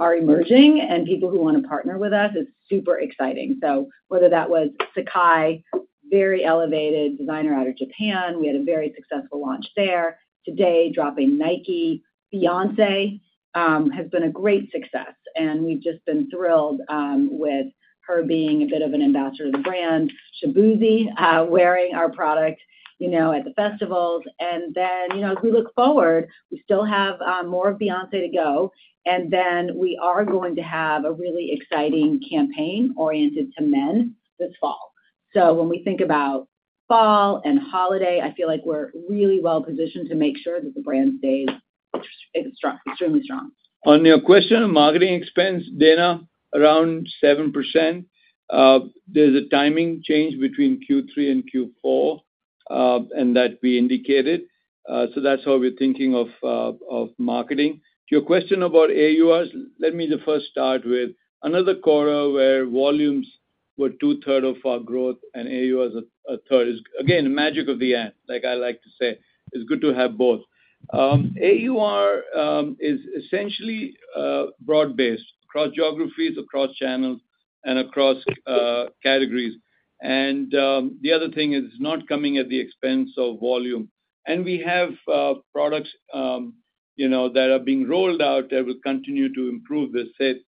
are emerging and people who want to partner with us is super exciting. So whether that was Sakai, very elevated designer out of Japan, we had a very successful launch there. Today, dropping Nike. Fiance has been a great success. And we've just been thrilled with her being a bit of an ambassador to the brand. Shaboozy wearing our product at the festivals. And then as we look forward, we still have more of Beyonce to go. And then we are going to have a really exciting campaign oriented to men this fall. So when we think about fall and holiday, I feel like we're really well positioned to make sure that the brand stays extremely strong. On your question on marketing expense, Dana, around 7%. There's a timing change between Q3 and Q4 that we indicated, so that's how we're thinking of marketing. To your question about AURs, let me first start with another quarter where volumes were two thirds of our growth and AURs are a third is again, the magic of the ant, like I like to say. It's good to have both. AUR is essentially broad based across geographies, across channels, and across categories. And the other thing is it's not coming at the expense of volume. And we have products that are being rolled out that will continue to improve.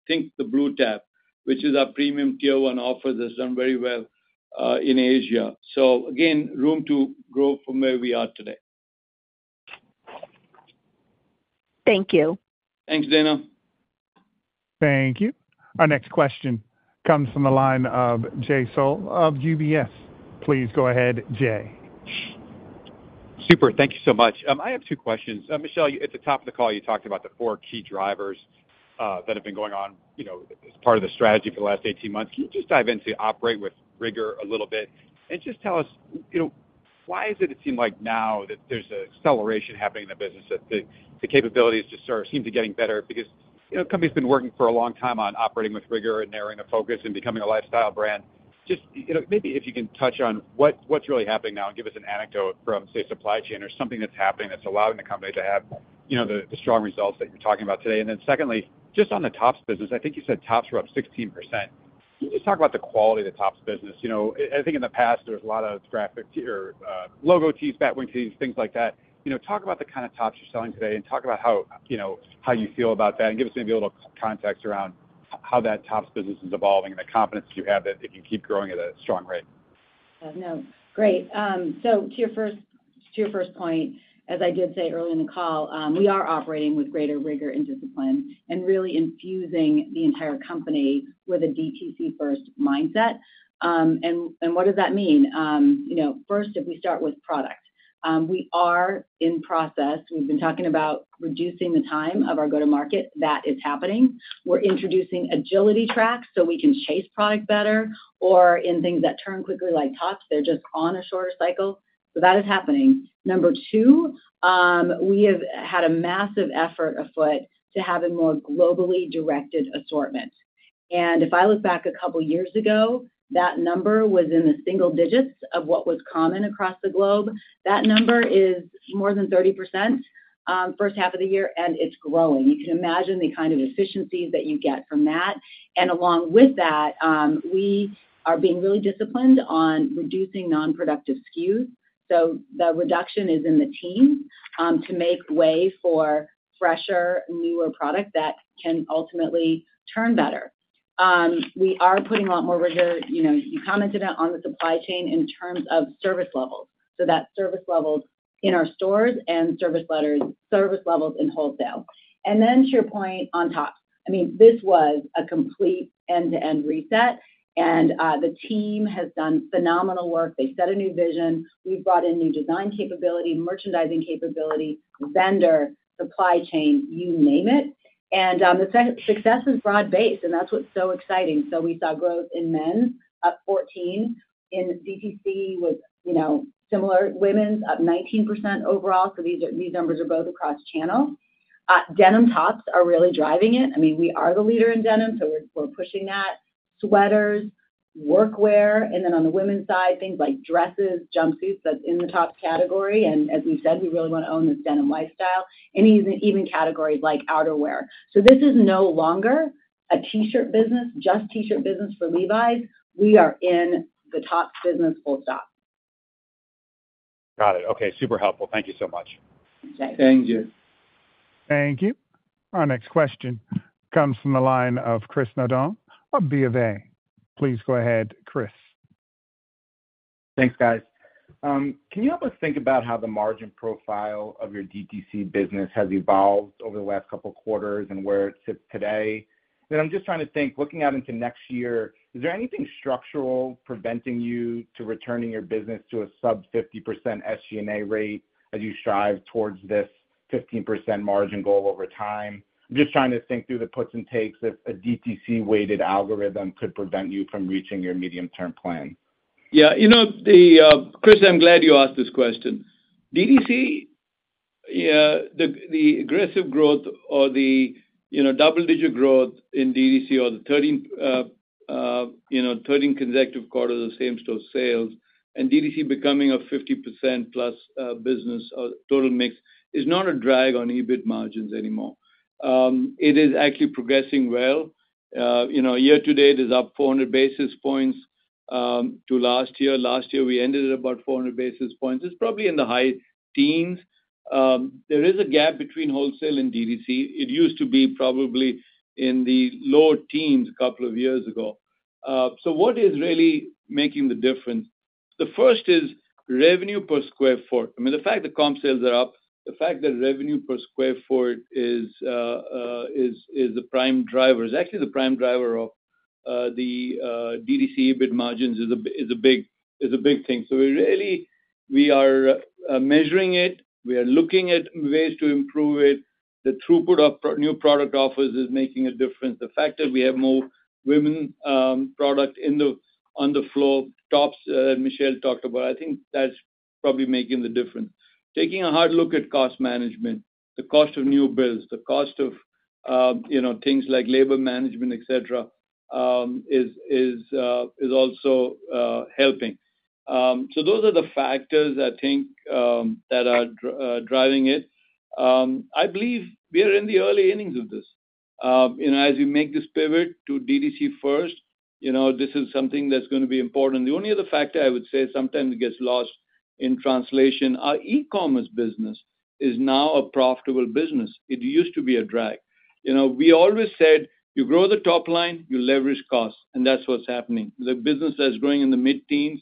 Think the BlueTap, which is our premium tier one offer that's done very well in Asia. So again, room to grow from where we are today. Thank you. Thanks, Dana. Thank you. Our next question comes from the line of Jay Sole of UBS. I have two questions. Michele, at the top of the call, you talked about the four key drivers that have been going as part of the strategy for the last eighteen months. Can you just dive into operate with rigor a little bit? And just tell us why is it it seemed like now that there's an acceleration happening in the business that the capabilities just sort of seem to getting better because the company has been working for a long time on operating with rigor and narrowing the focus and becoming a lifestyle brand. Just maybe if you can touch on what's really happening now and give us an anecdote from, say, supply chain or something that's happening that's allowing the company to have the strong results that you're talking about today? And then secondly, just on the tops business, I think you said tops were up 16%. Can just talk about the quality of the tops business? I think in the past, was a lot of graphic to your logo tees, batwing tees, things like that. Talk about the kind of tops you're selling today and talk about how you feel about that and give us maybe a little context around how that tops business is evolving and the confidence you have that they can keep growing at a strong rate. Great. So to your first point, as I did say early in the call, we are operating with greater rigor and discipline, and really infusing the entire company with a DTC first mindset. And what does that mean? First, if we start with product. We are in process. We've been talking about reducing the time of our go to market. That is happening. We're introducing agility tracks so we can chase product better. Or in things that turn quickly like tops, they're just on a shorter cycle. So that is happening. Number two, we have had a massive effort afoot to have a more globally directed assortment. And if I look back a couple years ago, that number was in the single digits of what was common across the globe. That number is more than thirty percent first half of the year, and it's growing. You can imagine the kind of efficiencies that you get from that. And along with that, we are being really disciplined on reducing nonproductive SKUs. So the reduction is in the team to make way for fresher, newer products that can ultimately turn better. We are putting a lot more rigor. You commented on the supply chain in terms of service levels. So that service levels in our stores and service levels in wholesale. And then to your point on top, I mean, was a complete end to end reset. And the team has done phenomenal work. They set a new vision. We've brought in new design capability, merchandising capability, vendor, supply chain, you name it. And the success is broad based and that's what's so exciting. So we saw growth in men's up 14 in the CTC was similar women's up 19% overall. So these numbers are both across channels. Denim tops are really driving it. I mean, we are the leader in denim. So we're pushing that Sweaters, workwear, and then on the women's side, things like dresses, jumpsuits, that's in the top category. And as we've said, we really want to own this denim lifestyle. And even categories like outerwear. So this is no longer a t shirt business, just t shirt business for Levi's. We are in the top business full stop. Got it. Okay. Super helpful. Thank you so much. Thank you. Thank you. Our next question comes from the line of Chris Nadeau of BofA. Please go ahead, Chris. Thanks, guys. Can you help us think about how the margin profile of your DTC business has evolved over the last couple of quarters and where it sits today? Then I'm just trying to think, looking out into next year, is there anything structural preventing you to returning your business to a sub-fifty percent SG and A rate as you strive towards this 15% margin goal over time? I'm just trying to think through the puts and takes if a DTC weighted algorithm could prevent you from reaching your medium term plan. Yeah, you know, Chris, I'm glad you asked this question. DTC, the aggressive growth or the double digit growth in DDC or the thirteen consecutive quarters of same store sales, and DDC becoming a 50% plus business total mix is not a drag on EBIT margins anymore. It is actually progressing well. Year to date is up 400 basis points to last year. Last year we ended at about 400 basis points. It's probably in the high teens. There is a gap between wholesale and DTC. It used to be probably in the low teens a couple of years ago. So what is really making the difference? The first is revenue per square foot. Mean, the fact that comp sales are up, the fact that revenue per square foot is the prime driver actually the prime driver of DDC EBIT margins is a big thing. So we are measuring it, we are looking at ways to improve it, the throughput of new product offers is making a difference, the fact that we have more women's product on the floor tops that Michelle talked about, I think that's probably making the difference. Taking a hard look at cost management, the cost of new builds, the cost of things like labor management, etc, is also helping. So those are the factors that I think are driving it. I believe we are in the early innings of this. As we make this pivot to DDC first, this is something that's going to be important. The only other factor I would say sometimes gets lost in translation is our e commerce business is now a profitable business. It used to be a drag. We always said, You grow the top line, you leverage costs. And that's what's happening. The business that's growing in the mid teens,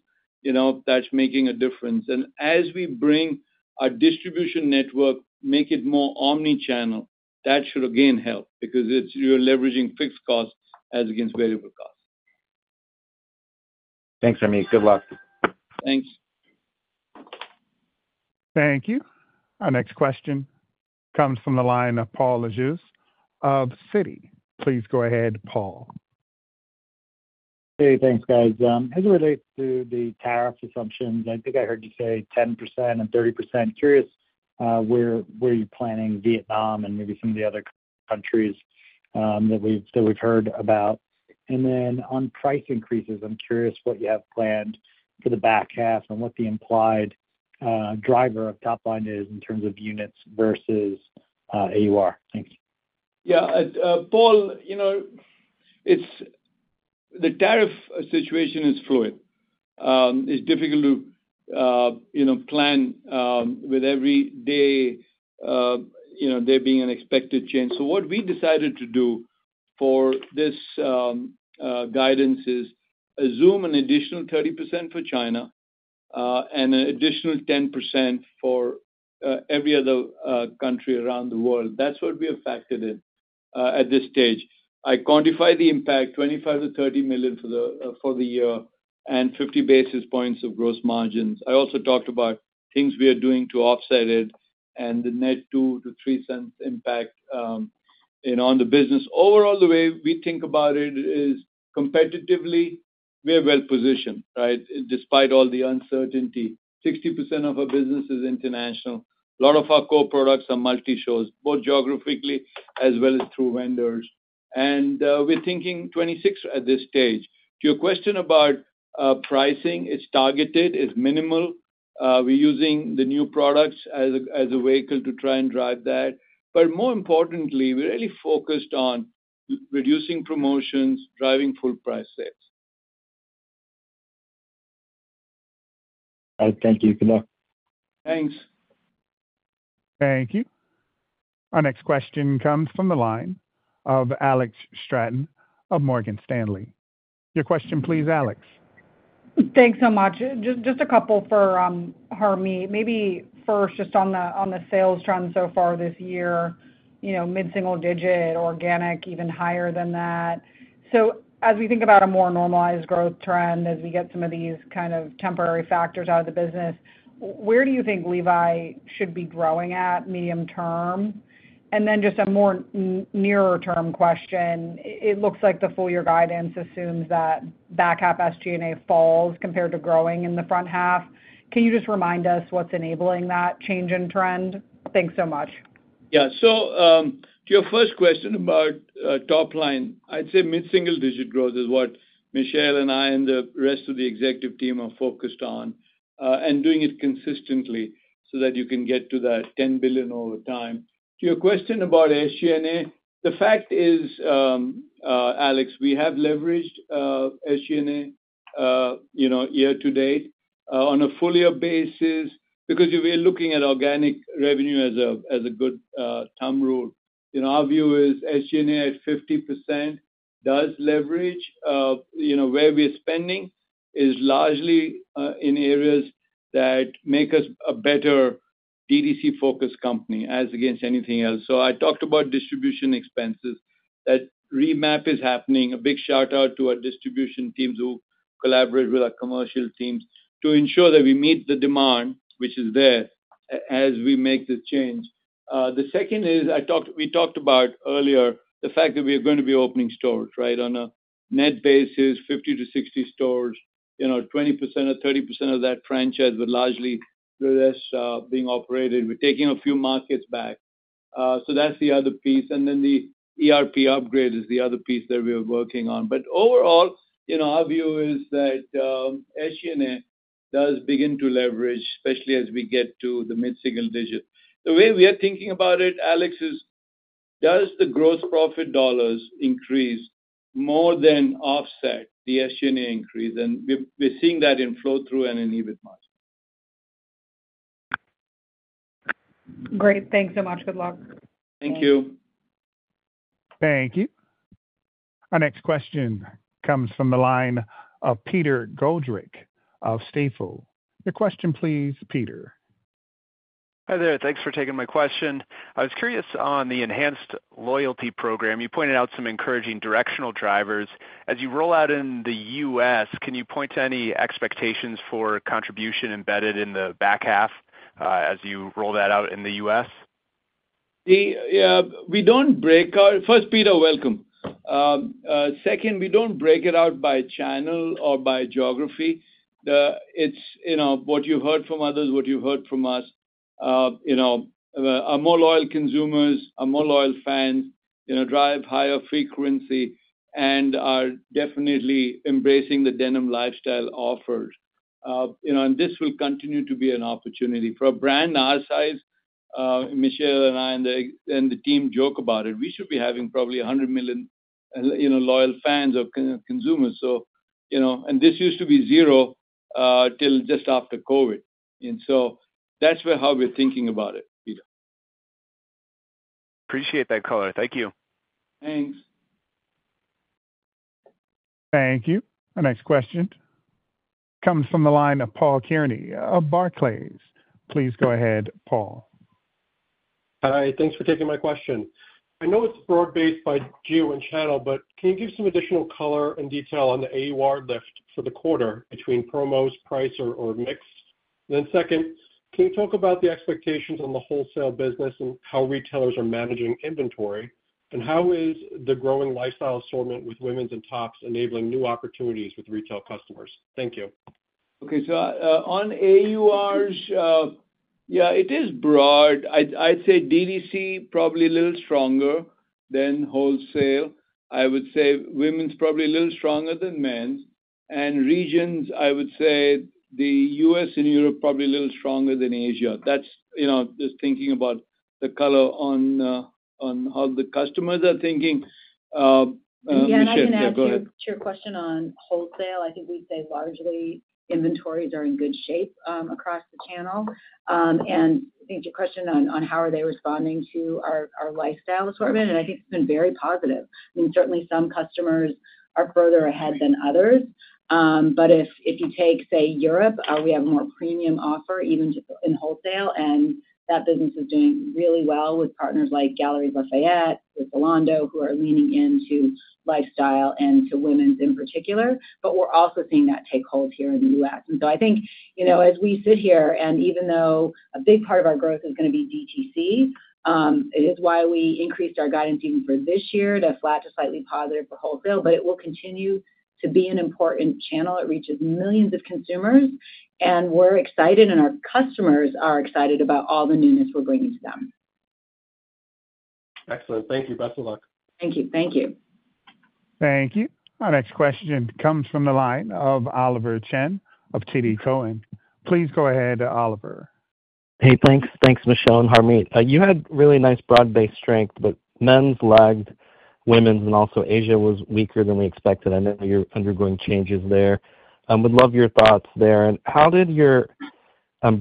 that's making a difference. And as we bring our distribution network, make it more omni channel, that should again help. Because you're leveraging fixed costs as against variable costs. Thanks, Ramit. Good luck. Thanks. Thank you. Our next question comes from the line of Paul Lejuez of Citi. Please go ahead, Paul. Hey, thanks guys. As it relates to the tariff assumptions, think I heard you say 1030%. Curious where you're planning Vietnam and maybe some of the other countries that heard about. And then on price increases, I'm curious what you have planned for the back half and what the implied driver of top line is in terms of units versus AUR. Thanks. Yeah, Paul, the tariff situation is fluid. It's difficult to plan with every day there being an expected change. So what we decided to do for this guidance is assume an additional 30% for China and an additional 10% for every other country around the world. That's what we have factored in at this stage. I quantify the impact, dollars 25,000,000 to $30,000,000 for the year, and 50 basis points of gross margins. I also talked about things we are doing to offset it and the net $02 to $03 impact on the business. Overall, the way we think about it is competitively, we're well positioned despite all the uncertainty. 60% of our business is international. A lot of our core products are multi shows, both geographically as well as through vendors. And we're thinking 26% at this stage. To your question about pricing, it's targeted, it's minimal. We're using the new products as a vehicle to try and drive that. But more importantly, we're really focused on reducing promotions, driving full price sales. Thank you. Good luck. Thanks. Thank you. Our next question comes from the line of Alex Stratton of Morgan Stanley. Your question please, Thanks so much. Just a couple for Harmeet. Maybe first, just on the sales trend so far this year, mid single digit organic, even higher than that. So as we think about a more normalized growth trend as we get some of these kind of temporary factors out of the business, where do you think Levi should be growing at medium term? And then just a more nearer term question, it looks like the full year guidance assumes that back half SG and A falls compared to growing in the front half. Can you just remind us what's enabling that change in trend? Thanks so much. Yes. So your first question about top line, I'd say mid single digit growth is what Michelle and I and the rest of the executive team are focused on and doing it consistently so that you can get to that $10,000,000,000 over time. To your question about SG and A, the fact is, Alex, we have leveraged SG and A year to date. On a full year basis, because we're looking at organic revenue as a good thumb rule. Our view is SG and A at 50% does leverage. Where we're spending is largely in areas that make us a better BDC focused company as against anything else. So I talked about distribution expenses. That remap is happening. A big shout out to our distribution teams who collaborate with our commercial teams to ensure that we meet the demand, which is there, as we make the change. The second is we talked about earlier the fact that we're going to be opening stores, right? On a net basis, 50 to 60 stores, 20% or 30% of that franchise is largely being operated. We're taking a few markets back. So that's the other piece. And then the ERP upgrade is the other piece that we're working on. But overall, our view is that SG and A does begin to leverage, especially as we get to the mid single digits. The way we are thinking about it, Alex, is does the gross profit dollars increase more than offset the SG and A increase? And we're seeing that in flow through and in EBIT margin. Great. Thanks so much. Good luck. Thank you. Thank you. Our next question comes from the line of Peter Goldrick of Stifel. Your question please, Peter. Hi there. Thanks for taking my question. I was curious on the enhanced loyalty program. You pointed out some encouraging directional drivers. As you roll out in The U. S, can you point to any expectations for contribution embedded in the back half as you roll that out in The US? First, Peter, welcome. Second, we don't break it out by channel or by geography. What you've heard from others, what you've heard from us are more loyal consumers, are more loyal fans, drive higher frequency, and are definitely embracing the denim lifestyle offers. And this will continue to be an opportunity for a brand our size. Michelle and I and the team joke about it. We should be having probably 100,000,000 loyal fans of consumers. And this used to be zero until just after COVID. And so that's how we're thinking about it, Peter. Appreciate that color. Thank you. Thanks. Thank you. Our next question comes from the line of Paul Kearney of Barclays. Please go ahead, Paul. Hi. Thanks for taking my question. I know it's broad based by geo and channel, but can you give some additional color and detail on the AUR lift for the quarter between promos, price or mix? Then second, can you talk about the expectations on the wholesale business and how retailers are managing inventory? And how is the growing lifestyle assortment with women's and tops enabling new opportunities with retail customers? Thank you. Okay. So on AURs, yeah, it is broad. I'd say DDC probably a little stronger than wholesale. I would say women's probably a little stronger than men's. And regions, I would say The US and Europe probably a little stronger than Asia. Just thinking about the color on how the customers are thinking. Again, I can ask you to your question on wholesale. I think we say largely inventories are in good shape across the channel. And I think your question on how are they responding to our lifestyle assortment, I think it's been very positive. And certainly some customers are further ahead than others. But if you take, say, Europe, we have a more premium offer even in wholesale. And that business is doing really well with partners like Gallery Buffet, with Zalando who are leaning into lifestyle and to women's in particular. But we're also seeing that take hold here in The US. And so I think as we sit here and even though a big part of our growth is going be DTC, it is why we increased our guidance even for this year to flat to slightly positive for wholesale. But it will continue to be an important channel. It reaches millions of consumers. And we're excited and our customers are excited about all the newness we're bringing to them. Excellent. Thank you. Best of luck. Thank you. Thank you. Thank you. Our next question comes from the line of Oliver Chen of TD Cohen. Please go ahead, Hey, thanks. Thanks, Michelle and Harmit. You had really nice broad based strength, but men's lagged, women's and also Asia was weaker than we expected. I know you're undergoing changes there. Would love your thoughts there. And how did your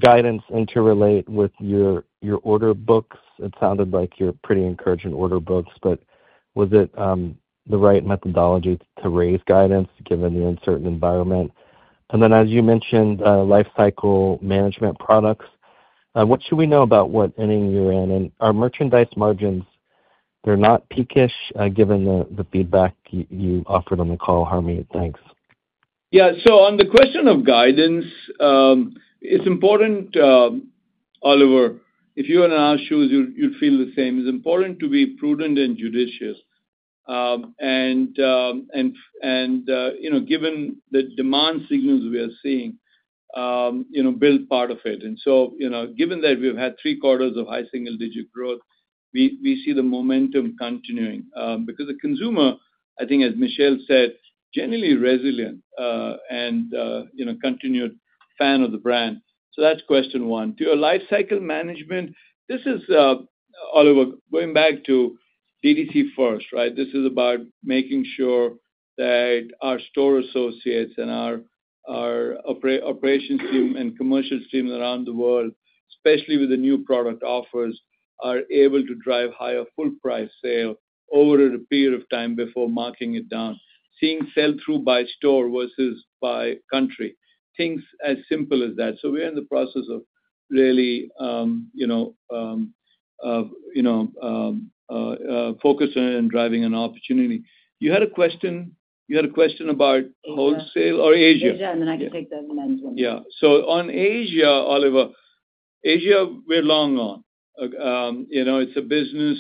guidance interrelate with your order books? It sounded like you're pretty encouraging order books, but was it the right methodology to raise guidance given the uncertain environment? And then as you mentioned, lifecycle management products, what should we know about what inning you're in? And are merchandise margins, they're not peakish given the feedback you offered on the call, Harmit? Thanks. Yeah, so on the question of guidance, it's important, Oliver, if you were in our shoes, you'd feel the same. It's important to be prudent and judicious. And given the demand signals we are seeing, build part of it. And so given that we've had three quarters of high single digit growth, we see the momentum continuing. Because the consumer, I think as Michelle said, generally resilient and a continued fan of the brand. So that's question one. To your lifecycle management, is Oliver, going back to DTC first, right? This is about making sure that our store associates and our operations team and commercial teams around the world, especially with the new product offers, are able to drive higher full price sales over a period of time before marking it down, seeing sell through by store versus by country. Things as simple as that. So we're in the process of really focusing on driving an opportunity. Had a question about wholesale or Asia? Asia, and then I can take the management. Yeah. So on Asia, Oliver, Asia we're long on. It's a business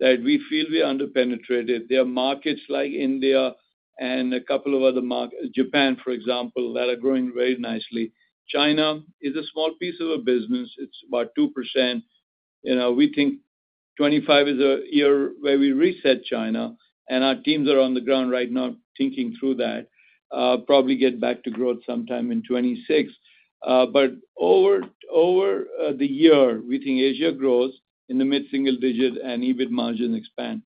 that we feel we're underpenetrated. There are markets like India and a couple of other markets Japan, for example, that are growing very nicely. China is a small piece of a business. It's about 2%. Think 25% is a year where we reset China, and our teams are on the ground right now thinking through that. We'll probably get back to growth sometime in '26. But over the year, we think Asia grows in the mid single digit and EBIT margin expands.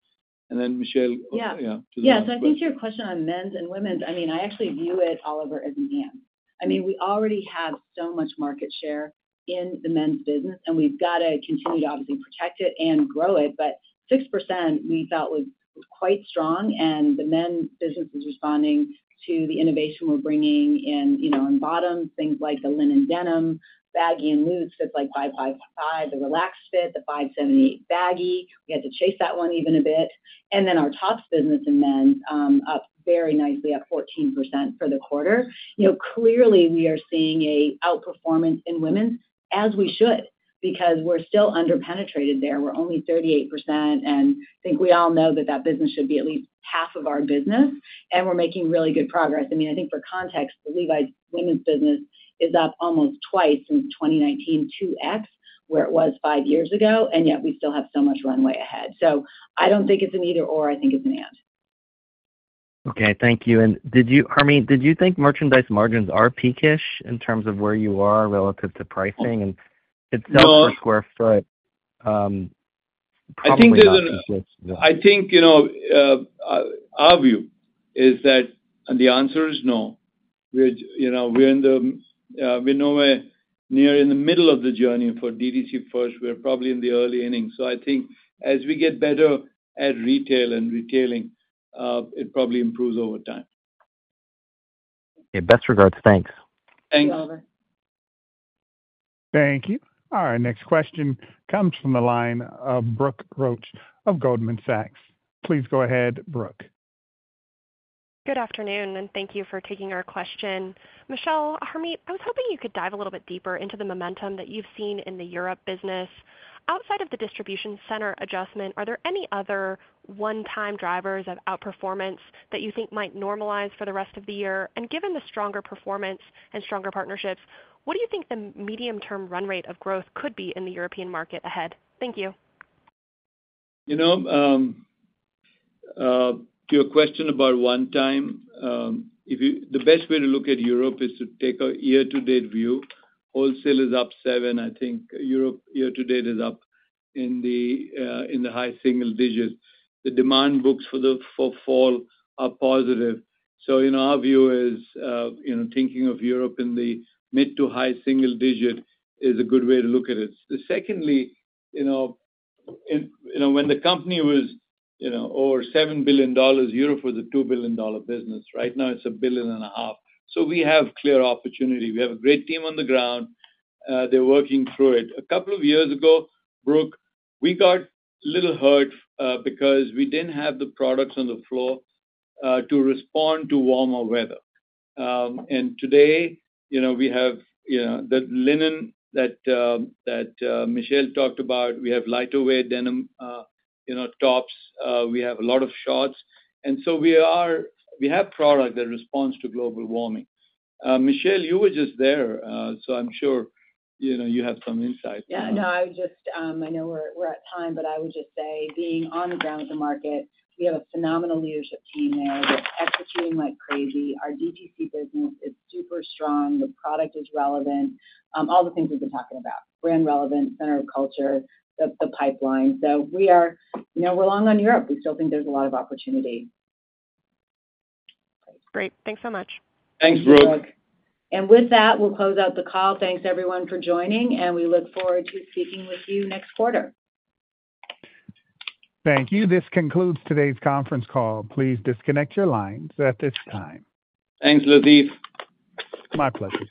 And then Michelle? Yeah. I think to your question on men's and women's, I mean, actually view it, Oliver, as an end. I mean, we already have so much market share in the men's business and we've got to continue to obviously protect it and grow it. But 6% we felt was quite strong and the men's business is responding to the innovation we're bringing in bottom things like the linen denim, baggy and loose fits like five fifty five, the relaxed fit, the five seventy eight baggy. We had to chase that one even a bit. And then our tops business in men up very nicely at 14% for the quarter. Clearly we are seeing a outperformance in women as we should because we're still under penetrated there. We're only 38% and I think we all know that that business should be at least half of our business and we're making really good progress. Mean, I think for context, the Levi's women's business is up almost twice since twenty nineteen 2x where it was five years ago. Yet we still have so much runway ahead. So I don't think it's an either or I think it's an and. Thank you. Did you Harmeet, did you think merchandise margins are peakish in terms of where you are relative to pricing? And it sells per square foot. Think our view is that the answer is We're nowhere near in the middle of the journey for DDC First. We're probably in the early innings. So I think as we get better at retail and retailing, it probably improves over time. Best regards. Thanks. Thanks, Oliver. Thank you. Our next question comes from the line of Brooke Roche of Goldman Sachs. Please go ahead, Brooke. Good afternoon and thank you for taking our question. Michelle, Harmit, I was hoping you could dive a little bit deeper into the momentum that you've seen in the Europe business. Outside of the distribution center adjustment, are there any other one time drivers of outperformance that you think might normalize for the rest of the year? And given the stronger performance and stronger partnerships, what do you think the medium term run rate of growth could be in the European market ahead? Thank you. To your question about one time, the best way to look at Europe is to take a year to date view. Wholesale is up 7%, I think Europe year to date is up in the high single digits. The demand books for fall are positive. So our view is thinking of Europe in the mid to high single digit is a good way to look at it. Secondly, when the company was over $7,000,000,000 Europe was a $2,000,000,000 business. Right now it's a billion and a half. So we have clear opportunity. We have a great team on the ground. They're working through it. A couple of years ago, Brooke, we got a little hurt because we didn't have the products on the floor to respond to warmer weather. And today, have the linen that Michelle talked about, we have lighter weight denim tops. We have a lot of shorts. And so we have products that respond to global warming. Michelle, you were just there, so I'm sure you have some insight. Yeah, no, I know we're out of time, but I would just say being on the ground with the market, we have a phenomenal leadership team there. They're executing like crazy. Our DTC business is super strong. The product is relevant. All the things we've been talking about. Brand relevance, center of culture, the pipeline. So we are long on Europe. We still think there's a lot of opportunity. Great, thanks so much. Thanks Brooke. And with that, we'll close out the call. Thanks everyone for joining. And we look forward to speaking with you next quarter. Thank you. This concludes today's conference call. Please disconnect your lines at this time. Thanks, Ladif. My pleasure.